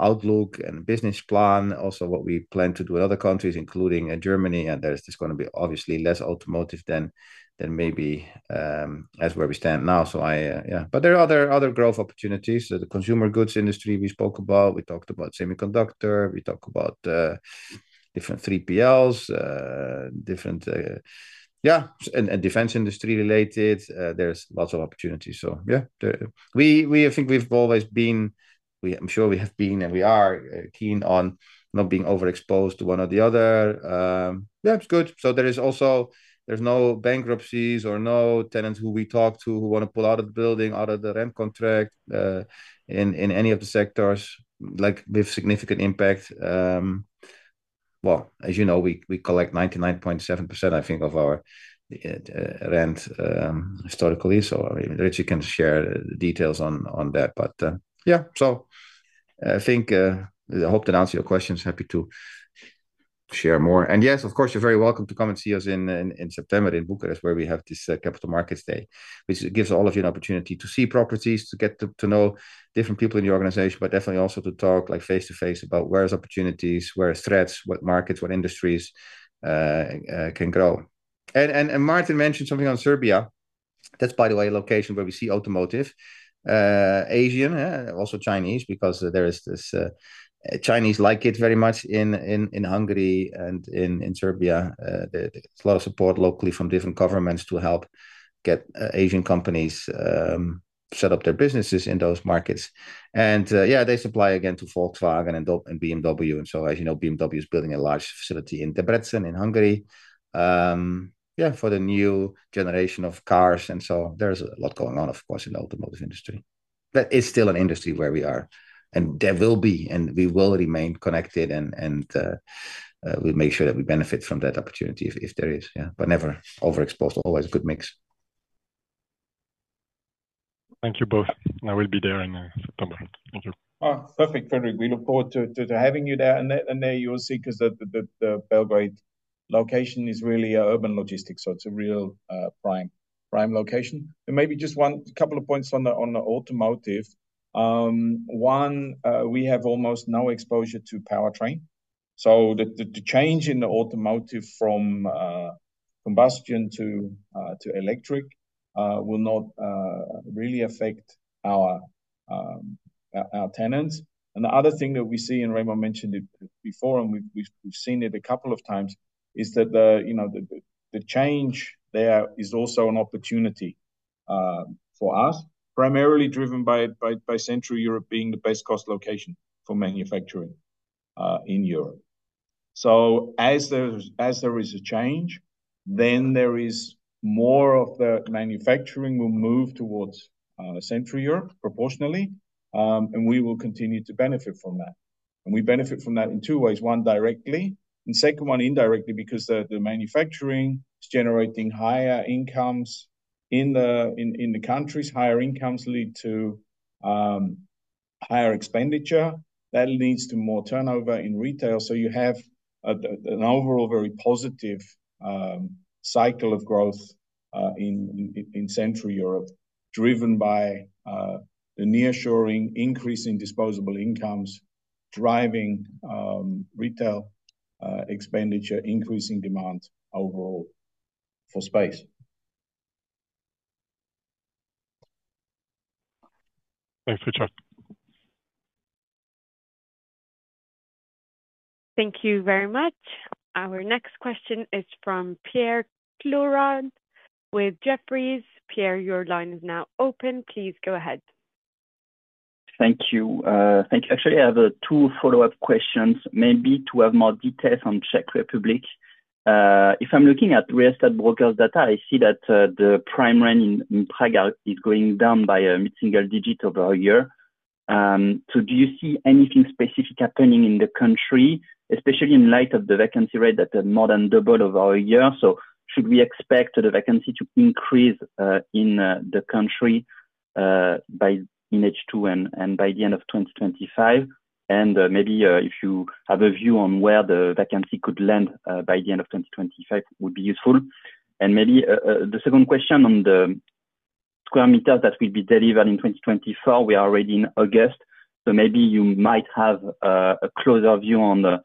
outlook and business plan, also what we plan to do in other countries, including Germany, there's just going to be obviously less automotive than maybe as where we stand now. So yeah, but there are other growth opportunities. The consumer goods industry we spoke about. We talked about semiconductor. We talked about different 3PLs, different, yeah, and defense industry related. There's lots of opportunities. So yeah, I think we've always been, I'm sure we have been and we are keen on not being overexposed to one or the other. Yeah, it's good. So there's no bankruptcies or no tenants who we talk to who want to pull out of the building, out of the rent contract in any of the sectors with significant impact. Well, as you know, we collect 99.7%, I think, of our rent historically. So Richie can share details on that. But yeah, so I hope to answer your questions. Happy to share more. And yes, of course, you're very welcome to come and see us in September in Bucharest where we have this Capital Markets Day, which gives all of you an opportunity to see properties, to get to know different people in your organization, but definitely also to talk face-to-face about where's opportunities, where's threats, what markets, what industries can grow. And Maarten mentioned something on Serbia. That's, by the way, a location where we see automotive, Asian, also Chinese because there is this Chinese like it very much in Hungary and in Serbia. There's a lot of support locally from different governments to help get Asian companies set up their businesses in those markets. And yeah, they supply again to Volkswagen and BMW. And so as you know, BMW is building a large facility in Debrecen in Hungary. Yeah, for the new generation of cars. And so there's a lot going on, of course, in the automotive industry. That is still an industry where we are, and there will be, and we will remain connected, and we'll make sure that we benefit from that opportunity if there is. Yeah, but never overexposed, always a good mix. Thank you both. I will be there in September. Thank you. Perfect, Frédéric. We look forward to having you there. And there you'll see because the Belgrade location is really urban logistics. So it's a real prime location. And maybe just a couple of points on the automotive. One, we have almost no exposure to powertrain. So the change in the automotive from combustion to electric will not really affect our tenants. And the other thing that we see, and Raymond mentioned it before, and we've seen it a couple of times, is that the change there is also an opportunity for us, primarily driven by Central Europe being the best cost location for manufacturing in Europe. So as there is a change, then there is more of the manufacturing will move towards Central Europe proportionally, and we will continue to benefit from that. And we benefit from that in two ways. One, directly. And second one, indirectly, because the manufacturing is generating higher incomes in the countries. Higher incomes lead to higher expenditure. That leads to more turnover in retail. So you have an overall very positive cycle of growth in Central Europe driven by the nearshoring, increasing disposable incomes, driving retail expenditure, increasing demand overall for space. Thanks, Richard. Thank you very much. Our next question is from Pierre Clouard with Jefferies. Pierre, your line is now open. Please go ahead. Thank you. Actually, I have two follow-up questions. Maybe to have more details on the Czech Republic. If I'm looking at real estate brokers' data, I see that the prime rent in Prague is going down by a single digit over a year. So do you see anything specific happening in the country, especially in light of the vacancy rate that more than doubled over a year? So should we expect the vacancy to increase in the country by 2024 and by the end of 2025? And maybe if you have a view on where the vacancy could land by the end of 2025, it would be useful. And maybe the second question on the square meters that will be delivered in 2024, we are already in August. So maybe you might have a closer view on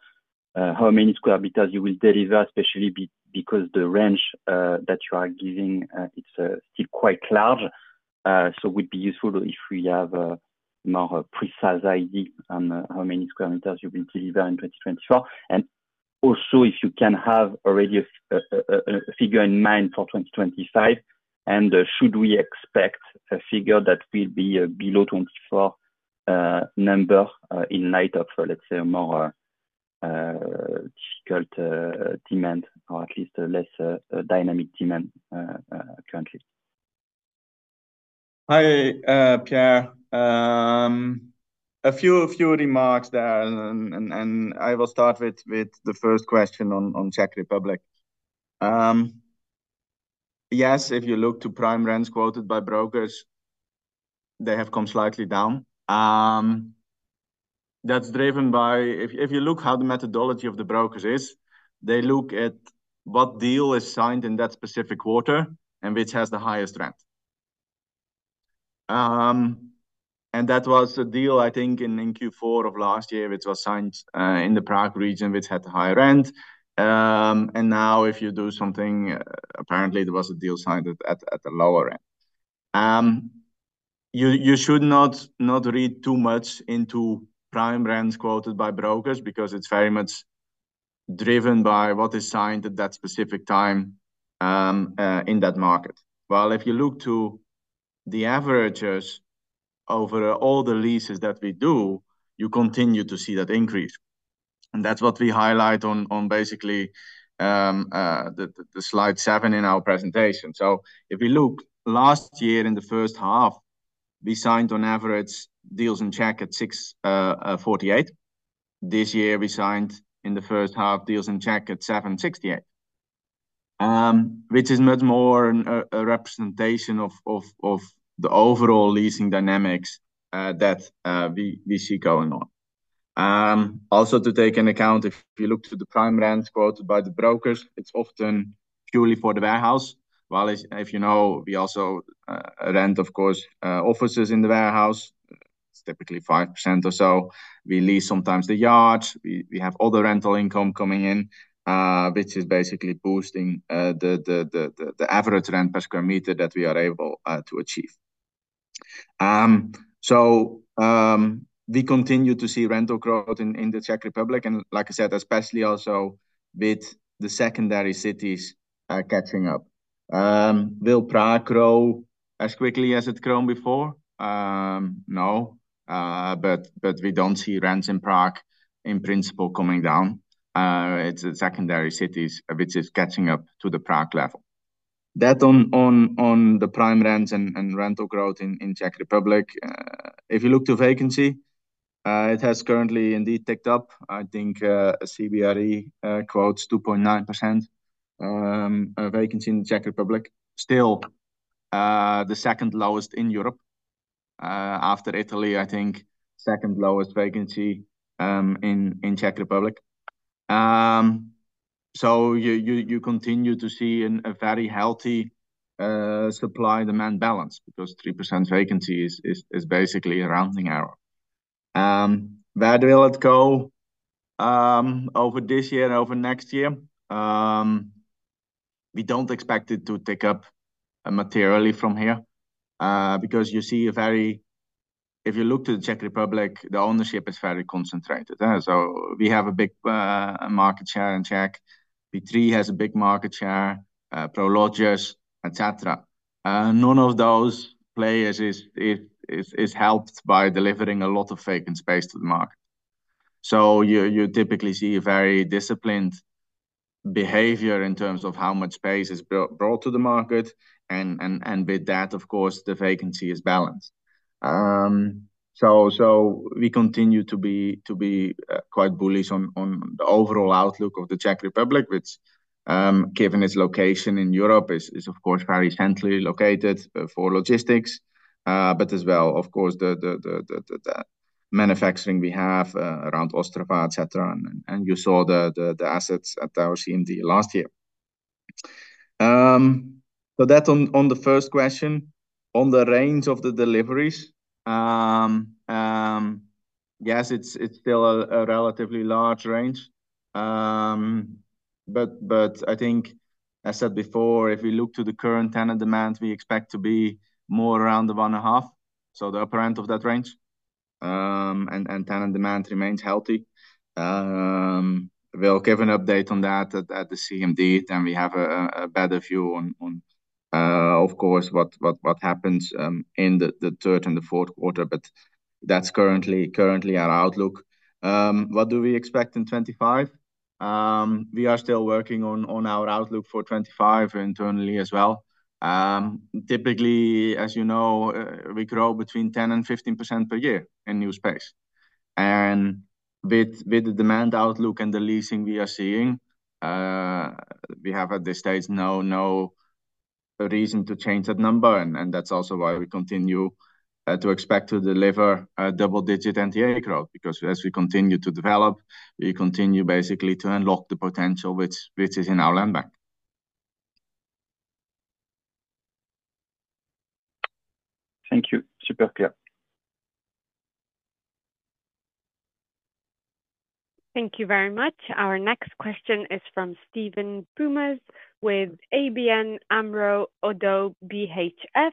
how many square meters you will deliver, especially because the range that you are giving, it's still quite large. So it would be useful if we have more precise idea on how many square meters you will deliver in 2024. And also if you can have already a figure in mind for 2025, and should we expect a figure that will be below 2024 number in light of, let's say, a more difficult demand or at least less dynamic demand currently? Hi, Pierre. A few remarks there, and I will start with the first question on Czech Republic. Yes, if you look to prime rents quoted by brokers, they have come slightly down. That's driven by, if you look how the methodology of the brokers is, they look at what deal is signed in that specific quarter and which has the highest rent. And that was a deal, I think, in Q4 of last year, which was signed in the Prague region, which had the higher rent. And now if you do something, apparently there was a deal signed at a lower rent. You should not read too much into prime rents quoted by brokers because it's very much driven by what is signed at that specific time in that market. Well, if you look to the averages over all the leases that we do, you continue to see that increase. That's what we highlight on basically the slide 7 in our presentation. If you look last year in the first half, we signed on average deals in Czech at 6.48. This year we signed in the first half deals in Czech at 7.68, which is much more a representation of the overall leasing dynamics that we see going on. To take into account, if you look to the prime rents quoted by the brokers, it's often purely for the warehouse. While if you know, we also rent, of course, offices in the warehouse. It's typically 5% or so. We lease sometimes the yards. We have other rental income coming in, which is basically boosting the average rent per sq m that we are able to achieve. So we continue to see rental growth in the Czech Republic. Like I said, especially also with the secondary cities catching up. Will Prague grow as quickly as it's grown before? No. But we don't see rents in Prague in principle coming down. It's the secondary cities which are catching up to the Prague level. That on the prime rents and rental growth in Czech Republic. If you look to vacancy, it has currently indeed ticked up. I think CBRE quotes 2.9% vacancy in the Czech Republic. Still the second lowest in Europe after Italy, I think second lowest vacancy in Czech Republic. So you continue to see a very healthy supply-demand balance because 3% vacancy is basically a rounding error. Where will it go over this year, over next year? We don't expect it to tick up materially from here because you see a very if you look to the Czech Republic, the ownership is very concentrated. So we have a big market share in Czech. P3 has a big market share, Prologis, etc. None of those players is helped by delivering a lot of vacant space to the market. So you typically see a very disciplined behavior in terms of how much space is brought to the market. And with that, of course, the vacancy is balanced. So we continue to be quite bullish on the overall outlook of the Czech Republic, which, given its location in Europe, is of course very centrally located for logistics, but as well, of course, the manufacturing we have around Ostrava, etc. And you saw the assets at our CMD last year. So that on the first question, on the range of the deliveries, yes, it's still a relatively large range. But I think, as I said before, if we look to the current tenant demand, we expect to be more around the 1.5. So the upper end of that range. And tenant demand remains healthy. We'll give an update on that at the CMD. Then we have a better view on, of course, what happens in the third and the fourth quarter. But that's currently our outlook. What do we expect in 2025? We are still working on our outlook for 2025 internally as well. Typically, as you know, we grow between 10%-15% per year in new space. And with the demand outlook and the leasing we are seeing, we have at this stage no reason to change that number. That's also why we continue to expect to deliver a double-digit NTA growth because as we continue to develop, we continue basically to unlock the potential which is in our land bank. Thank you. Super clear. Thank you very much. Our next question is from Steven Boumans with ABN AMRO ODDO-BHF.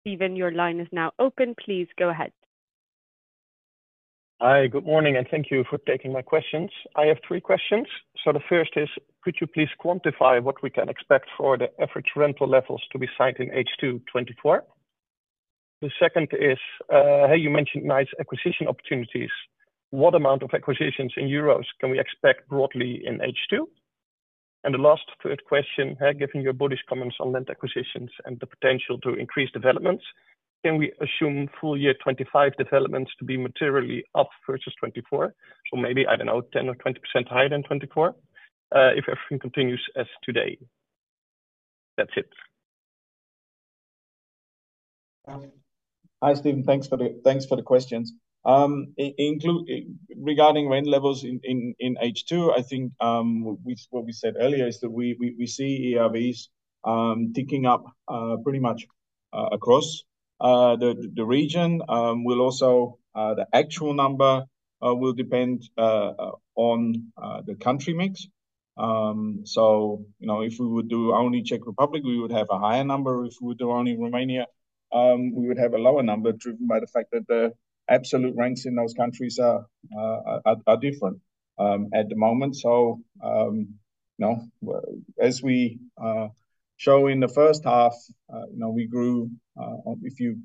Steven, your line is now open. Please go ahead. Hi, good morning, and thank you for taking my questions. I have three questions. So the first is, could you please quantify what we can expect for the average rental levels to be signed in H2 2024? The second is, hey, you mentioned nice acquisition opportunities. What amount of acquisitions in EUR can we expect broadly in H2? And the last third question, given your bullish comments on rent acquisitions and the potential to increase developments, can we assume full year 2025 developments to be materially up versus 2024? So maybe, I don't know, 10% or 20% higher than 2024 if everything continues as today. That's it. Hi, Steven. Thanks for the questions. Regarding rent levels in H2, I think what we said earlier is that we see ERVs ticking up pretty much across the region. The actual number will depend on the country mix. So if we would do only Czech Republic, we would have a higher number. If we would do only Romania, we would have a lower number driven by the fact that the absolute rents in those countries are different at the moment. So as we show in the first half, we grew, if you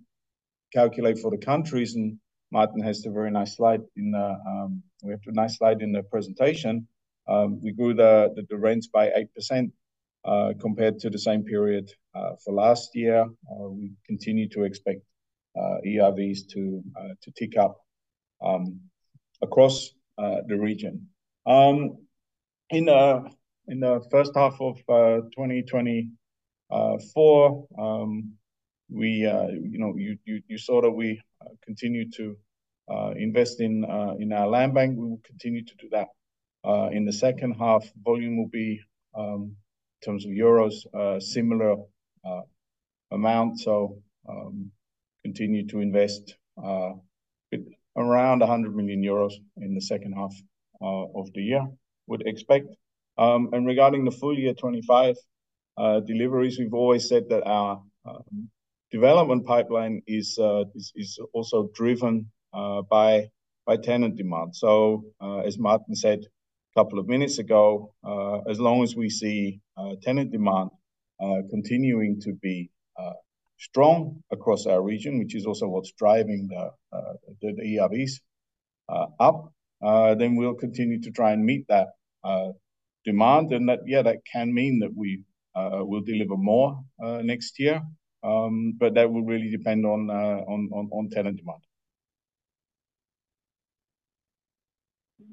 calculate for the countries, and Maarten has a very nice slide in the presentation. We grew the rents by 8% compared to the same period for last year. We continue to expect ERVs to tick up across the region. In the first half of 2024, you saw that we continue to invest in our land bank. We will continue to do that. In the second half, volume will be, in terms of euros, similar amount. So continue to invest around 100 million euros in the second half of the year. Would expect. Regarding the full year 2025 deliveries, we've always said that our development pipeline is also driven by tenant demand. So as Maarten said a couple of minutes ago, as long as we see tenant demand continuing to be strong across our region, which is also what's driving the ERVs up, then we'll continue to try and meet that demand. And yeah, that can mean that we will deliver more next year, but that will really depend on tenant demand.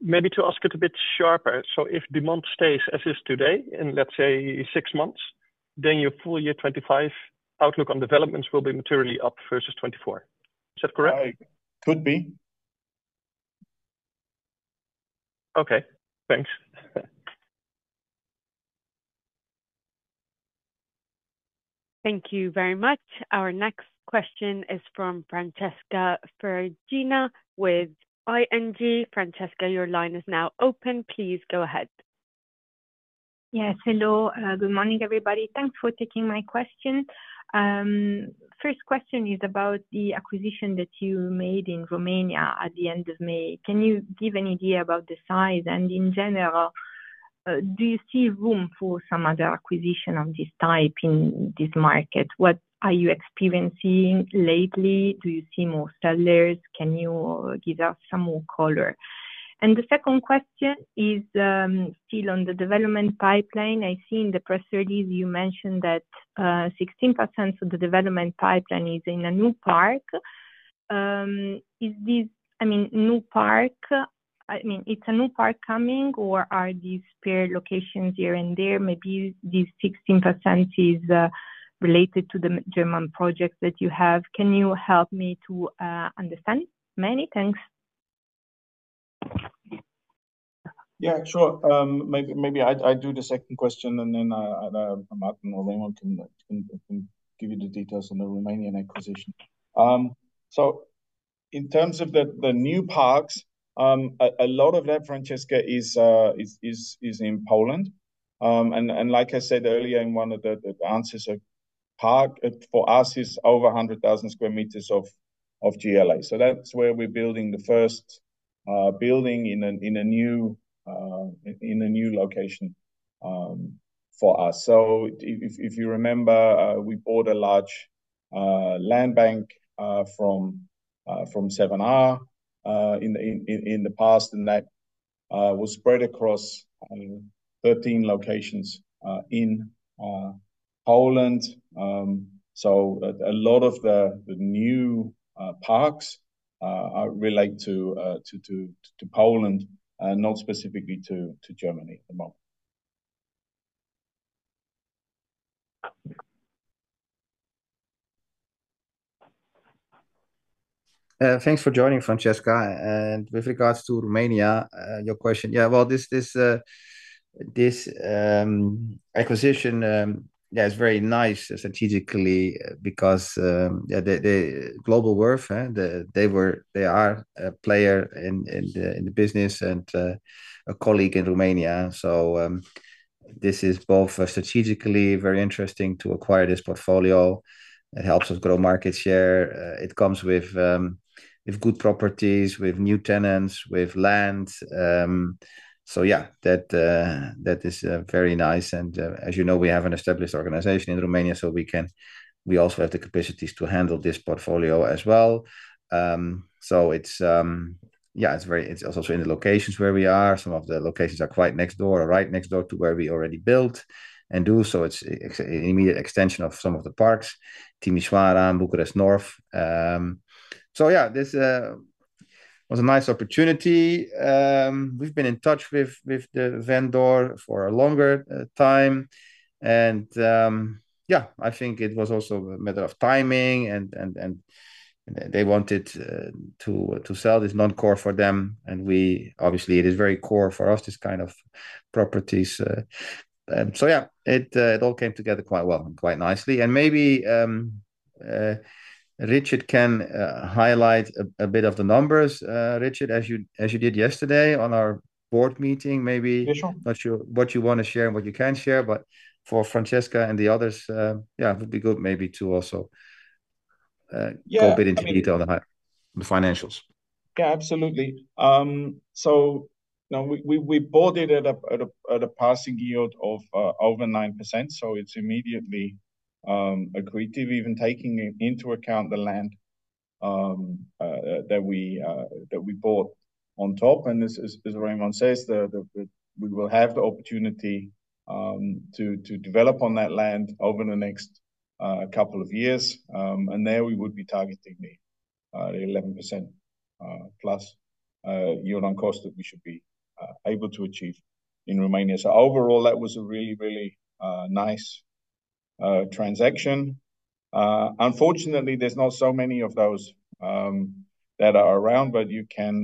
Maybe to ask it a bit sharper. So if demand stays as is today in, let's say, six months, then your full year 2025 outlook on developments will be materially up versus 2024. Is that correct? Could be. Okay. Thanks. Thank you very much. Our next question is from Francesca Ferragina with ING. Francesca, your line is now open. Please go ahead. Yes. Hello. Good morning, everybody. Thanks for taking my question. First question is about the acquisition that you made in Romania at the end of May. Can you give an idea about the size? And in general, do you see room for some other acquisition of this type in this market? What are you experiencing lately? Do you see more sellers? Can you give us some more color? And the second question is still on the development pipeline. I see in the press release you mentioned that 16% of the development pipeline is in a new park. I mean, new park, I mean, it's a new park coming, or are these spare locations here and there? Maybe this 16% is related to the German projects that you have. Can you help me to understand? Many thanks. Yeah, sure. Maybe I do the second question, and then Maarten or Raymond can give you the details on the Romanian acquisition. So in terms of the new parks, a lot of that, Francesca, is in Poland. Like I said earlier in one of the answers, a park for us is over 100,000 square meters of GLA. So that's where we're building the first building in a new location for us. So if you remember, we bought a large land bank from 7R in the past, and that was spread across 13 locations in Poland. So a lot of the new parks relate to Poland, not specifically to Germany at the moment. Thanks for joining, Francesca. With regards to Romania, your question, yeah, well, this acquisition, yeah, is very nice strategically because the Globalworth, they are a player in the business and a colleague in Romania. So this is both strategically very interesting to acquire this portfolio. It helps us grow market share. It comes with good properties, with new tenants, with land. So yeah, that is very nice. And as you know, we have an established organization in Romania, so we also have the capacities to handle this portfolio as well. So yeah, it's also in the locations where we are. Some of the locations are quite next door or right next door to where we already built and do. So it's an immediate extension of some of the parks, Timișoara, Bucharest North. So yeah, this was a nice opportunity. We've been in touch with the vendor for a longer time. And yeah, I think it was also a matter of timing, and they wanted to sell this non-core for them. And obviously, it is very core for us, this kind of properties. So yeah, it all came together quite well and quite nicely. And maybe Richard can highlight a bit of the numbers, Richard, as you did yesterday on our board meeting, maybe what you want to share and what you can share. But for Francesca and the others, yeah, it would be good maybe to also go a bit into detail on the financials. Yeah, absolutely. So we bought it at a passing yield of over 9%. So it's immediately accretive, even taking into account the land that we bought on top. And as Raymond says, we will have the opportunity to develop on that land over the next couple of years. And there we would be targeting the 11%+ yield on cost that we should be able to achieve in Romania. So overall, that was a really, really nice transaction. Unfortunately, there's not so many of those that are around, but you can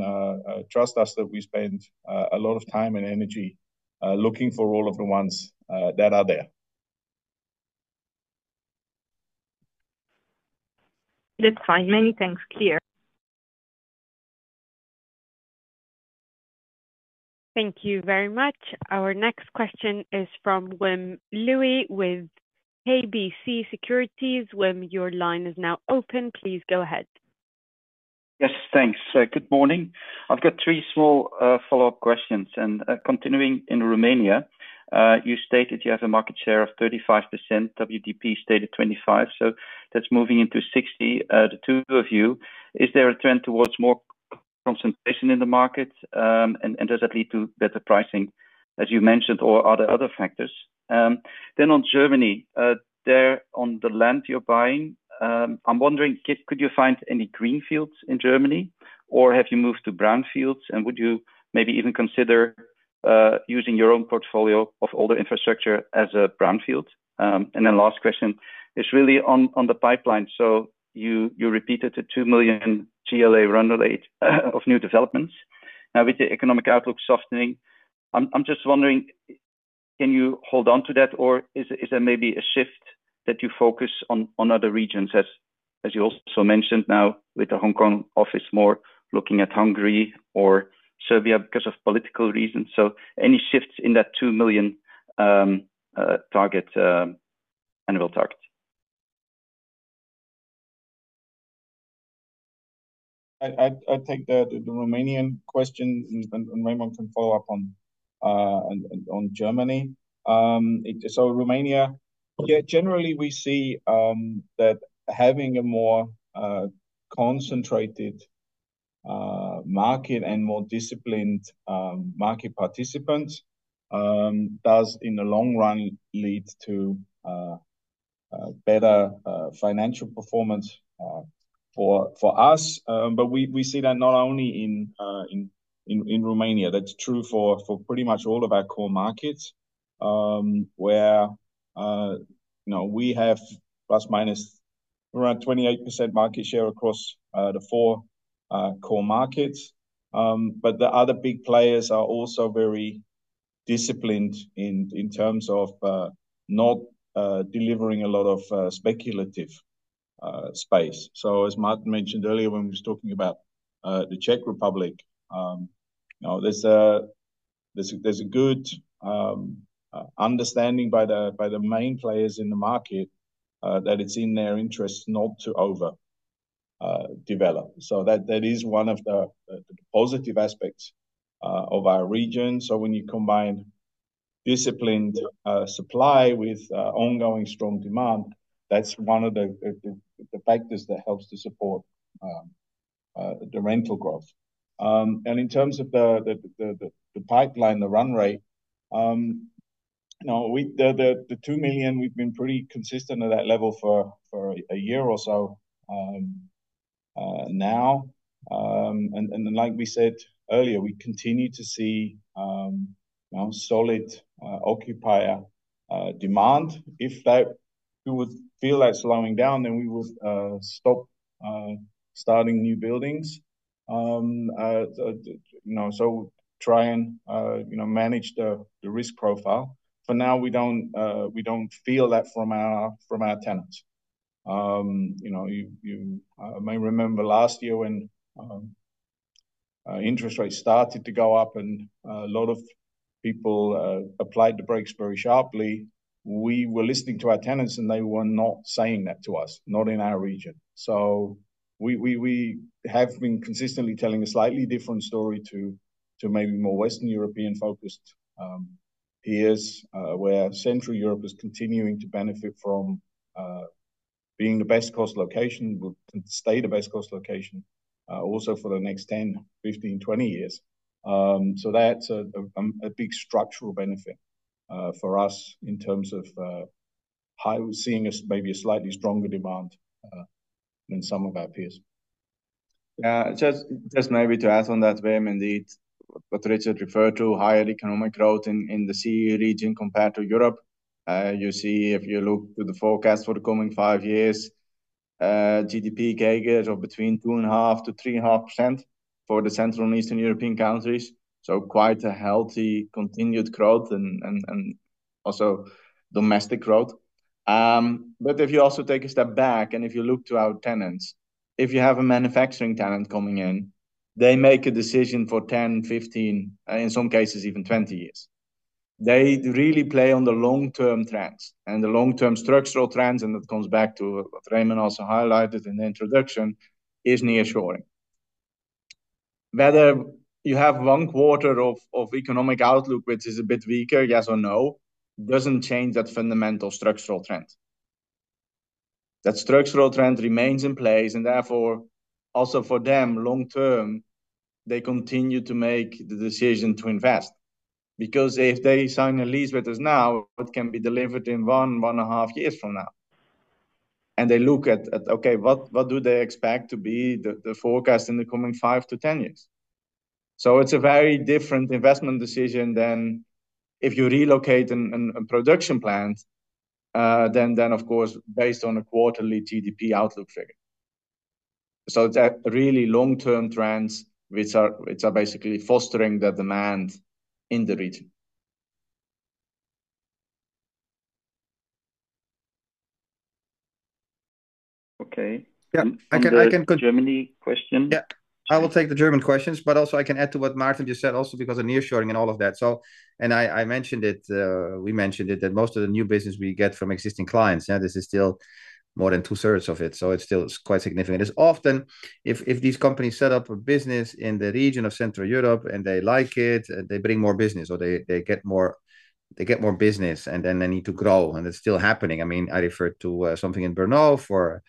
trust us that we spend a lot of time and energy looking for all of the ones that are there. That's fine. Many thanks. Clear. Thank you very much. Our next question is from Wim Lewi with KBC Securities. Wim, your line is now open. Please go ahead. Yes, thanks. Good morning. I've got three small follow-up questions. And continuing in Romania, you stated you have a market share of 35%, WDP stated 25%. So that's moving into 60%, the two of you. Is there a trend towards more concentration in the market? And does that lead to better pricing, as you mentioned, or are there other factors? Then on Germany, there on the land you're buying, I'm wondering, could you find any greenfields in Germany, or have you moved to brownfields? And would you maybe even consider using your own portfolio of older infrastructure as a brownfield? And then last question is really on the pipeline. So you repeated the 2 million GLA run rate of new developments. Now, with the economic outlook softening, I'm just wondering, can you hold on to that, or is there maybe a shift that you focus on other regions, as you also mentioned now with the Hong Kong office more looking at Hungary or Serbia because of political reasons? So any shifts in that 2 million annual target? I take the Romanian question, and Raymond can follow up on Germany. So, Romania, yeah, generally, we see that having a more concentrated market and more disciplined market participants does, in the long run, lead to better financial performance for us. But we see that not only in Romania. That's true for pretty much all of our core markets, where we have ±28% market share across the four core markets. But the other big players are also very disciplined in terms of not delivering a lot of speculative space. So, as Maarten mentioned earlier when we were talking about the Czech Republic, there's a good understanding by the main players in the market that it's in their interest not to overdevelop. So that is one of the positive aspects of our region. So when you combine disciplined supply with ongoing strong demand, that's one of the factors that helps to support the rental growth. And in terms of the pipeline, the run rate, the 2 million, we've been pretty consistent at that level for a year or so now. And like we said earlier, we continue to see solid occupier demand. If we would feel that slowing down, then we would stop starting new buildings. So try and manage the risk profile. For now, we don't feel that from our tenants. You may remember last year when interest rates started to go up and a lot of people applied the brakes very sharply. We were listening to our tenants, and they were not saying that to us, not in our region. So we have been consistently telling a slightly different story to maybe more Western European-focused peers, where Central Europe is continuing to benefit from being the best cost location and will stay the best cost location also for the next 10, 15, 20 years. So that's a big structural benefit for us in terms of how we're seeing maybe a slightly stronger demand than some of our peers. Just maybe to add on that, Wim, indeed, what Richard referred to, higher economic growth in the CE region compared to Europe. You see, if you look to the forecast for the coming five years, GDP gauges are between 2.5%-3.5% for the Central and Eastern European countries. So quite a healthy continued growth and also domestic growth. But if you also take a step back and if you look to our tenants, if you have a manufacturing tenant coming in, they make a decision for 10, 15, in some cases, even 20 years. They really play on the long-term trends. And the long-term structural trends, and that comes back to what Raymond also highlighted in the introduction, is nearshoring. Whether you have one quarter of economic outlook, which is a bit weaker, yes or no, doesn't change that fundamental structural trend. That structural trend remains in place. And therefore, also for them, long-term, they continue to make the decision to invest. Because if they sign a lease, which is now, it can be delivered in one, one and a half years from now. And they look at, okay, what do they expect to be the forecast in the coming 5-10 years? So it's a very different investment decision than if you relocate a production plant than, of course, based on a quarterly GDP outlook figure. So it's really long-term trends which are basically fostering the demand in the region. Okay. Yeah. I can take the Germany question. Yeah. I will take the German questions, but also I can add to what Maarten just said also because of nearshoring and all of that. I mentioned it, we mentioned it, that most of the new business we get from existing clients; this is still more than two-thirds of it. So it's still quite significant. It's often if these companies set up a business in the region of Central Europe and they like it, they bring more business or they get more business and then they need to grow. And it's still happening. I mean, I referred to something in Brno for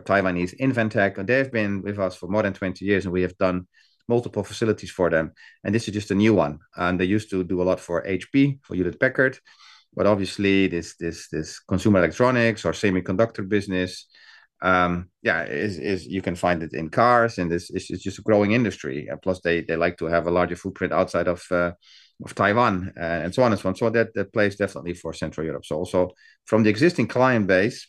Taiwanese Inventec. They have been with us for more than 20 years, and we have done multiple facilities for them. And this is just a new one. And they used to do a lot for HP, for Hewlett-Packard. But obviously, this consumer electronics or semiconductor business, yeah, you can find it in cars, and it's just a growing industry. Plus, they like to have a larger footprint outside of Taiwan and so on and so on. So that plays definitely for Central Europe. So also from the existing client base,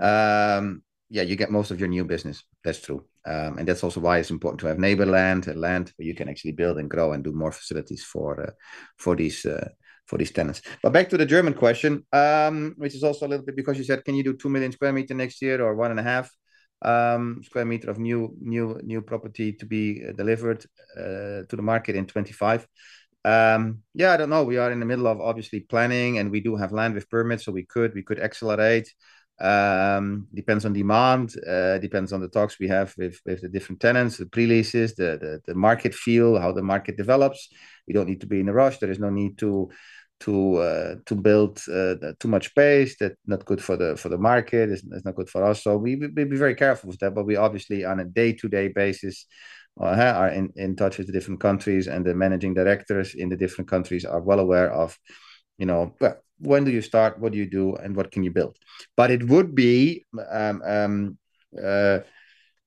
yeah, you get most of your new business. That's true. And that's also why it's important to have neighborland and land where you can actually build and grow and do more facilities for these tenants. But back to the German question, which is also a little bit because you said, can you do 2 million square meters next year or 1.5 square meters of new property to be delivered to the market in 2025? Yeah, I don't know. We are in the middle of obviously planning, and we do have land with permits, so we could accelerate. Depends on demand. Depends on the talks we have with the different tenants, the pre-leases, the market feel, how the market develops. We don't need to be in a rush. There is no need to build too much space. That's not good for the market. It's not good for us. So we'd be very careful with that. But we obviously, on a day-to-day basis, are in touch with the different countries, and the managing directors in the different countries are well aware of when do you start, what do you do, and what can you build. But it would be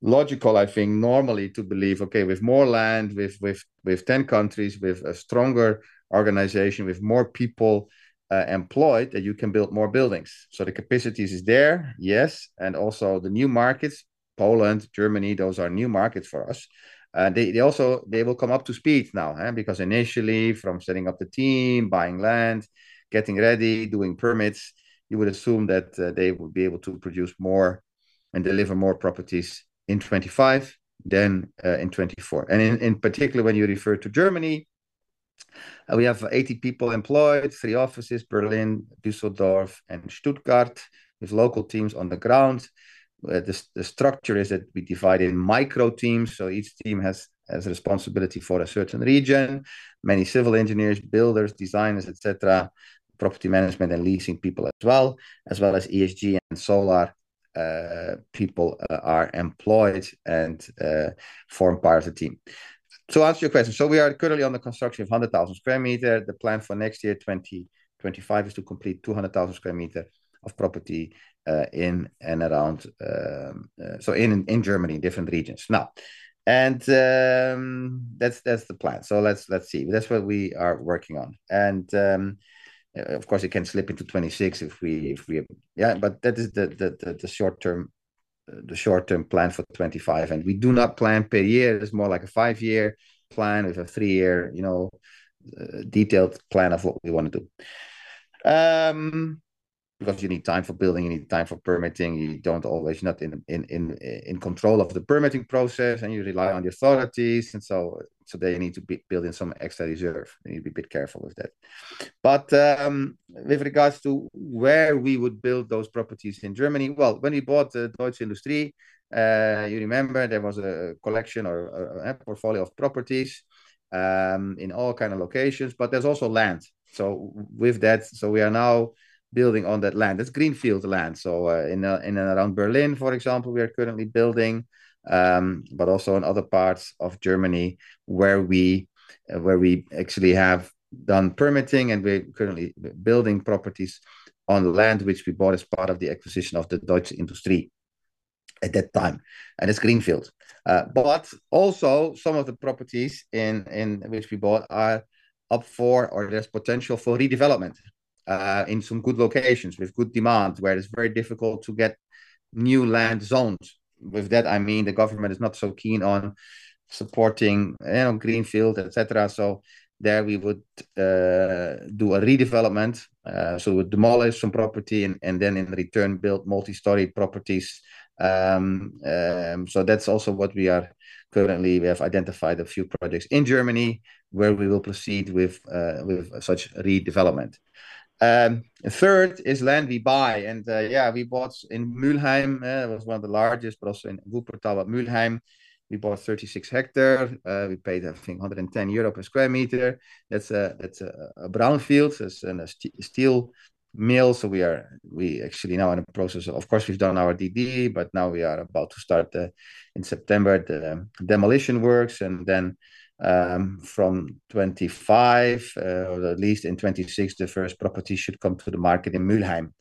logical, I think, normally to believe, okay, with more land, with 10 countries, with a stronger organization, with more people employed, that you can build more buildings. So the capacity is there, yes. And also the new markets, Poland, Germany, those are new markets for us. They will come up to speed now. Because initially, from setting up the team, buying land, getting ready, doing permits, you would assume that they would be able to produce more and deliver more properties in 2025 than in 2024. And in particular, when you refer to Germany, we have 80 people employed, 3 offices, Berlin, Düsseldorf, and Stuttgart, with local teams on the ground. The structure is that we divide in micro teams. So each team has responsibility for a certain region, many civil engineers, builders, designers, etc., property management and leasing people as well, as well as ESG and solar people are employed and form part of the team. To answer your question, so we are currently on the construction of 100,000 sq m. The plan for next year, 2025, is to complete 200,000 sq m of property in and around, so in Germany, different regions. Now, and that's the plan. So let's see. That's what we are working on. And of course, it can slip into 2026 if we yeah, but that is the short-term plan for 2025. And we do not plan per year. It's more like a 5-year plan with a 3-year detailed plan of what we want to do. Because you need time for building, you need time for permitting. You're not in control of the permitting process, and you rely on the authorities. And so they need to build in some extra reserve. You need to be a bit careful with that. But with regards to where we would build those properties in Germany, well, when we bought the Deutsche Industrie, you remember there was a collection or a portfolio of properties in all kinds of locations, but there's also land. So with that, we are now building on that land. It's greenfield land. So in and around Berlin, for example, we are currently building, but also in other parts of Germany where we actually have done permitting, and we're currently building properties on the land which we bought as part of the acquisition of the Deutsche Industrie REIT-AG at that time. And it's greenfield. But also some of the properties which we bought are up for, or there's potential for redevelopment in some good locations with good demand where it's very difficult to get new land zones. With that, I mean, the government is not so keen on supporting greenfield, etc. So there we would do a redevelopment. So we would demolish some property and then in return build multi-story properties. So that's also what we are currently we have identified a few projects in Germany where we will proceed with such redevelopment. Third is land we buy. Yeah, we bought in Mülheim, it was one of the largest, but also in Wuppertal, but Mülheim, we bought 36 hectares. We paid, I think, 110 euro per square meter. That's a brownfield. It's a steel mill. So we are actually now in the process of, of course, we've done our DD, but now we are about to start in September the demolition works. And then from 2025, or at least in 2026, the first property should come to the market in Mülheim.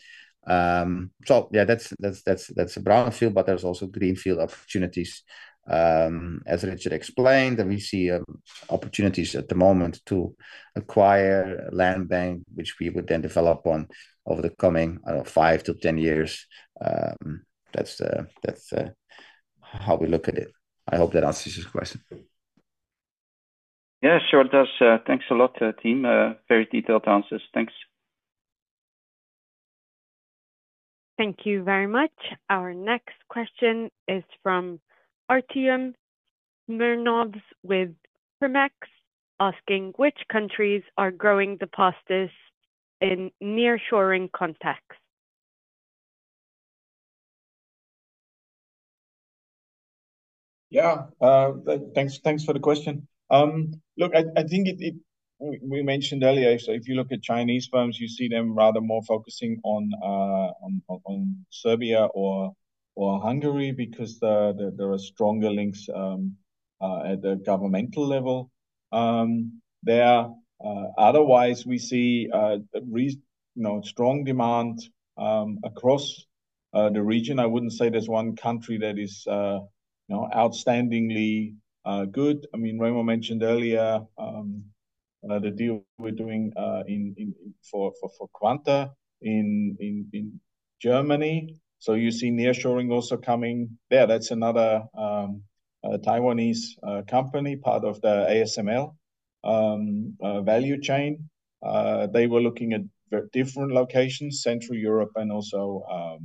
So yeah, that's a brownfield, but there's also greenfield opportunities. As Richard explained, we see opportunities at the moment to acquire land bank, which we would then develop on over the coming five to 10 years. That's how we look at it. I hope that answers your question. Yeah, sure. It does. Thanks a lot, team. Very detailed answers. Thanks. Thank you very much. Our next question is from Artem Murnov with Primex asking, which countries are growing the parks in nearshoring context? Yeah. Thanks for the question. Look, I think we mentioned earlier, so if you look at Chinese firms, you see them rather more focusing on Serbia or Hungary because there are stronger links at the governmental level. Otherwise, we see strong demand across the region. I wouldn't say there's one country that is outstandingly good. I mean, Remon mentioned earlier the deal we're doing for Quanta in Germany. So you see nearshoring also coming there. That's another Taiwanese company, part of the ASML value chain. They were looking at different locations, Central Europe and also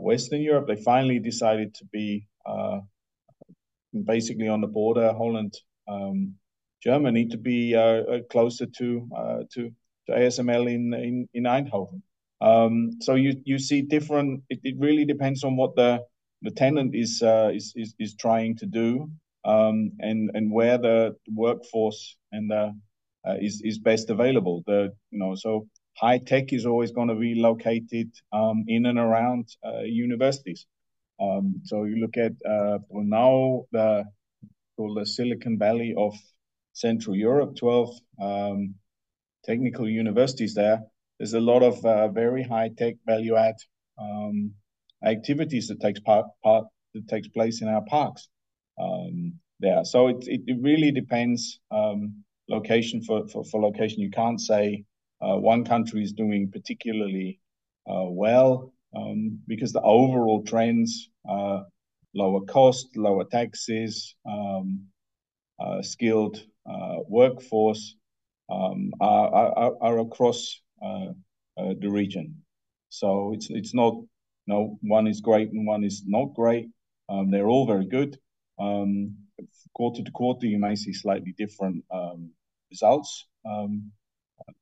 Western Europe. They finally decided to be basically on the border, Holland, Germany, to be closer to ASML in Eindhoven. So you see, it really depends on what the tenant is trying to do and where the workforce is best available. So high tech is always going to be located in and around universities. So you look at now the Silicon Valley of Central Europe, 12 technical universities there. There's a lot of very high-tech value-add activities that takes place in our parks there. So it really depends on location. For location, you can't say one country is doing particularly well because the overall trends, lower cost, lower taxes, skilled workforce are across the region. So it's not one is great and one is not great. They're all very good. Quarter to quarter, you may see slightly different results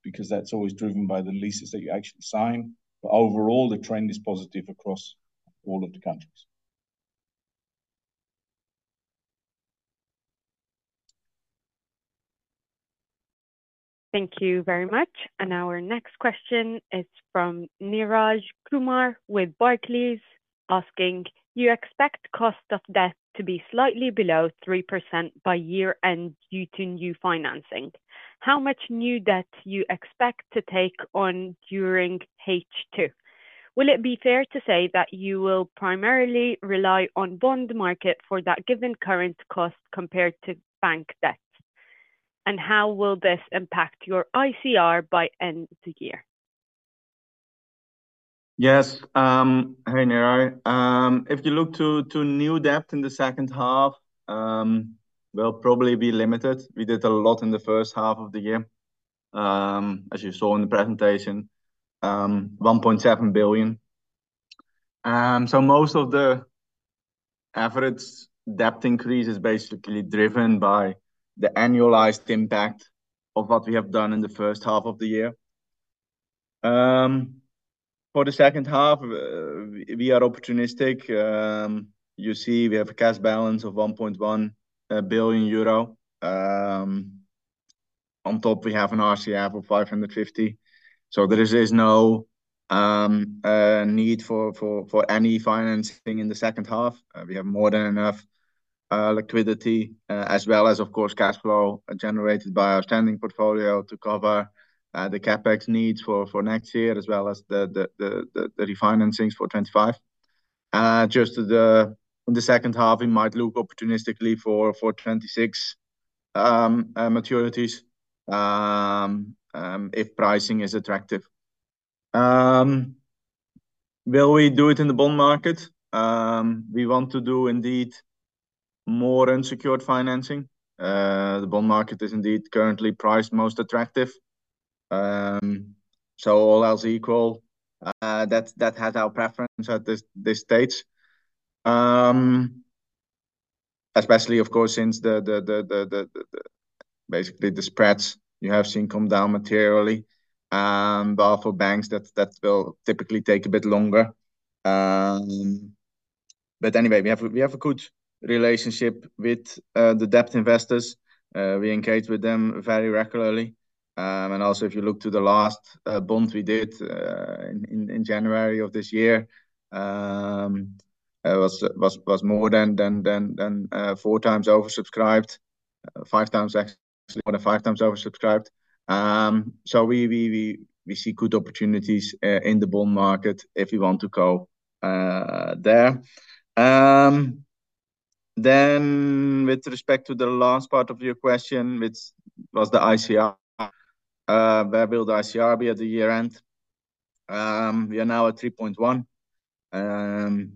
because that's always driven by the leases that you actually sign. But overall, the trend is positive across all of the countries. Thank you very much. And our next question is from Neeraj Kumar with Barclays asking, you expect cost of debt to be slightly below 3% by year-end due to new financing. How much new debt do you expect to take on during H2? Will it be fair to say that you will primarily rely on bond market for that given current cost compared to bank debt? And how will this impact your ICR by end of the year? Yes. Hey, Neeraj. If you look to new debt in the second half, we'll probably be limited. We did a lot in the first half of the year, as you saw in the presentation, 1.7 billion. So most of the average debt increase is basically driven by the annualized impact of what we have done in the first half of the year. For the second half, we are opportunistic. You see, we have a cash balance of 1.1 billion euro. On top, we have an RCF of 550 million. So there is no need for any financing in the second half. We have more than enough liquidity, as well as, of course, cash flow generated by our standing portfolio to cover the CapEx needs for next year, as well as the refinancings for 2025. Just in the second half, we might look opportunistically for 2026 maturities if pricing is attractive. Will we do it in the bond market? We want to do indeed more unsecured financing. The bond market is indeed currently priced most attractive. So all else equal, that has our preference at this stage. Especially, of course, since basically the spreads you have seen come down materially. But for banks, that will typically take a bit longer. But anyway, we have a good relationship with the debt investors. We engage with them very regularly. And also, if you look to the last bond we did in January of this year, it was more than four times oversubscribed, five times, actually more than five times oversubscribed. So we see good opportunities in the bond market if you want to go there. Then with respect to the last part of your question, which was the ICR, where will the ICR be at the year-end? We are now at 3.1.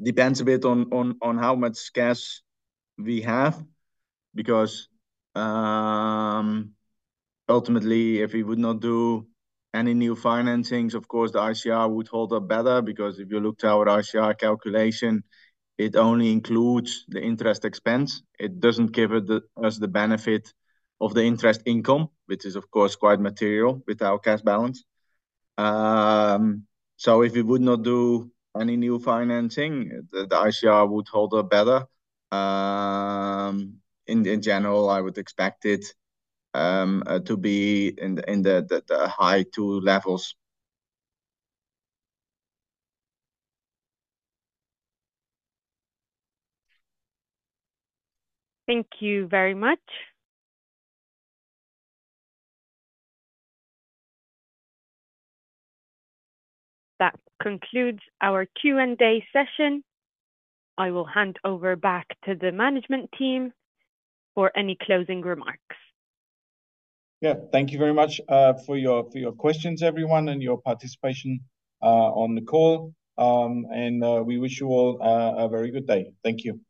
Depends a bit on how much cash we have. Because ultimately, if we would not do any new financings, of course, the ICR would hold up better. Because if you look to our ICR calculation, it only includes the interest expense. It doesn't give us the benefit of the interest income, which is, of course, quite material with our cash balance. So if we would not do any new financing, the ICR would hold up better. In general, I would expect it to be in the high two levels. Thank you very much. That concludes our Q&A session. I will hand over back to the management team for any closing remarks. Yeah. Thank you very much for your questions, everyone, and your participation on the call. We wish you all a very good day. Thank you.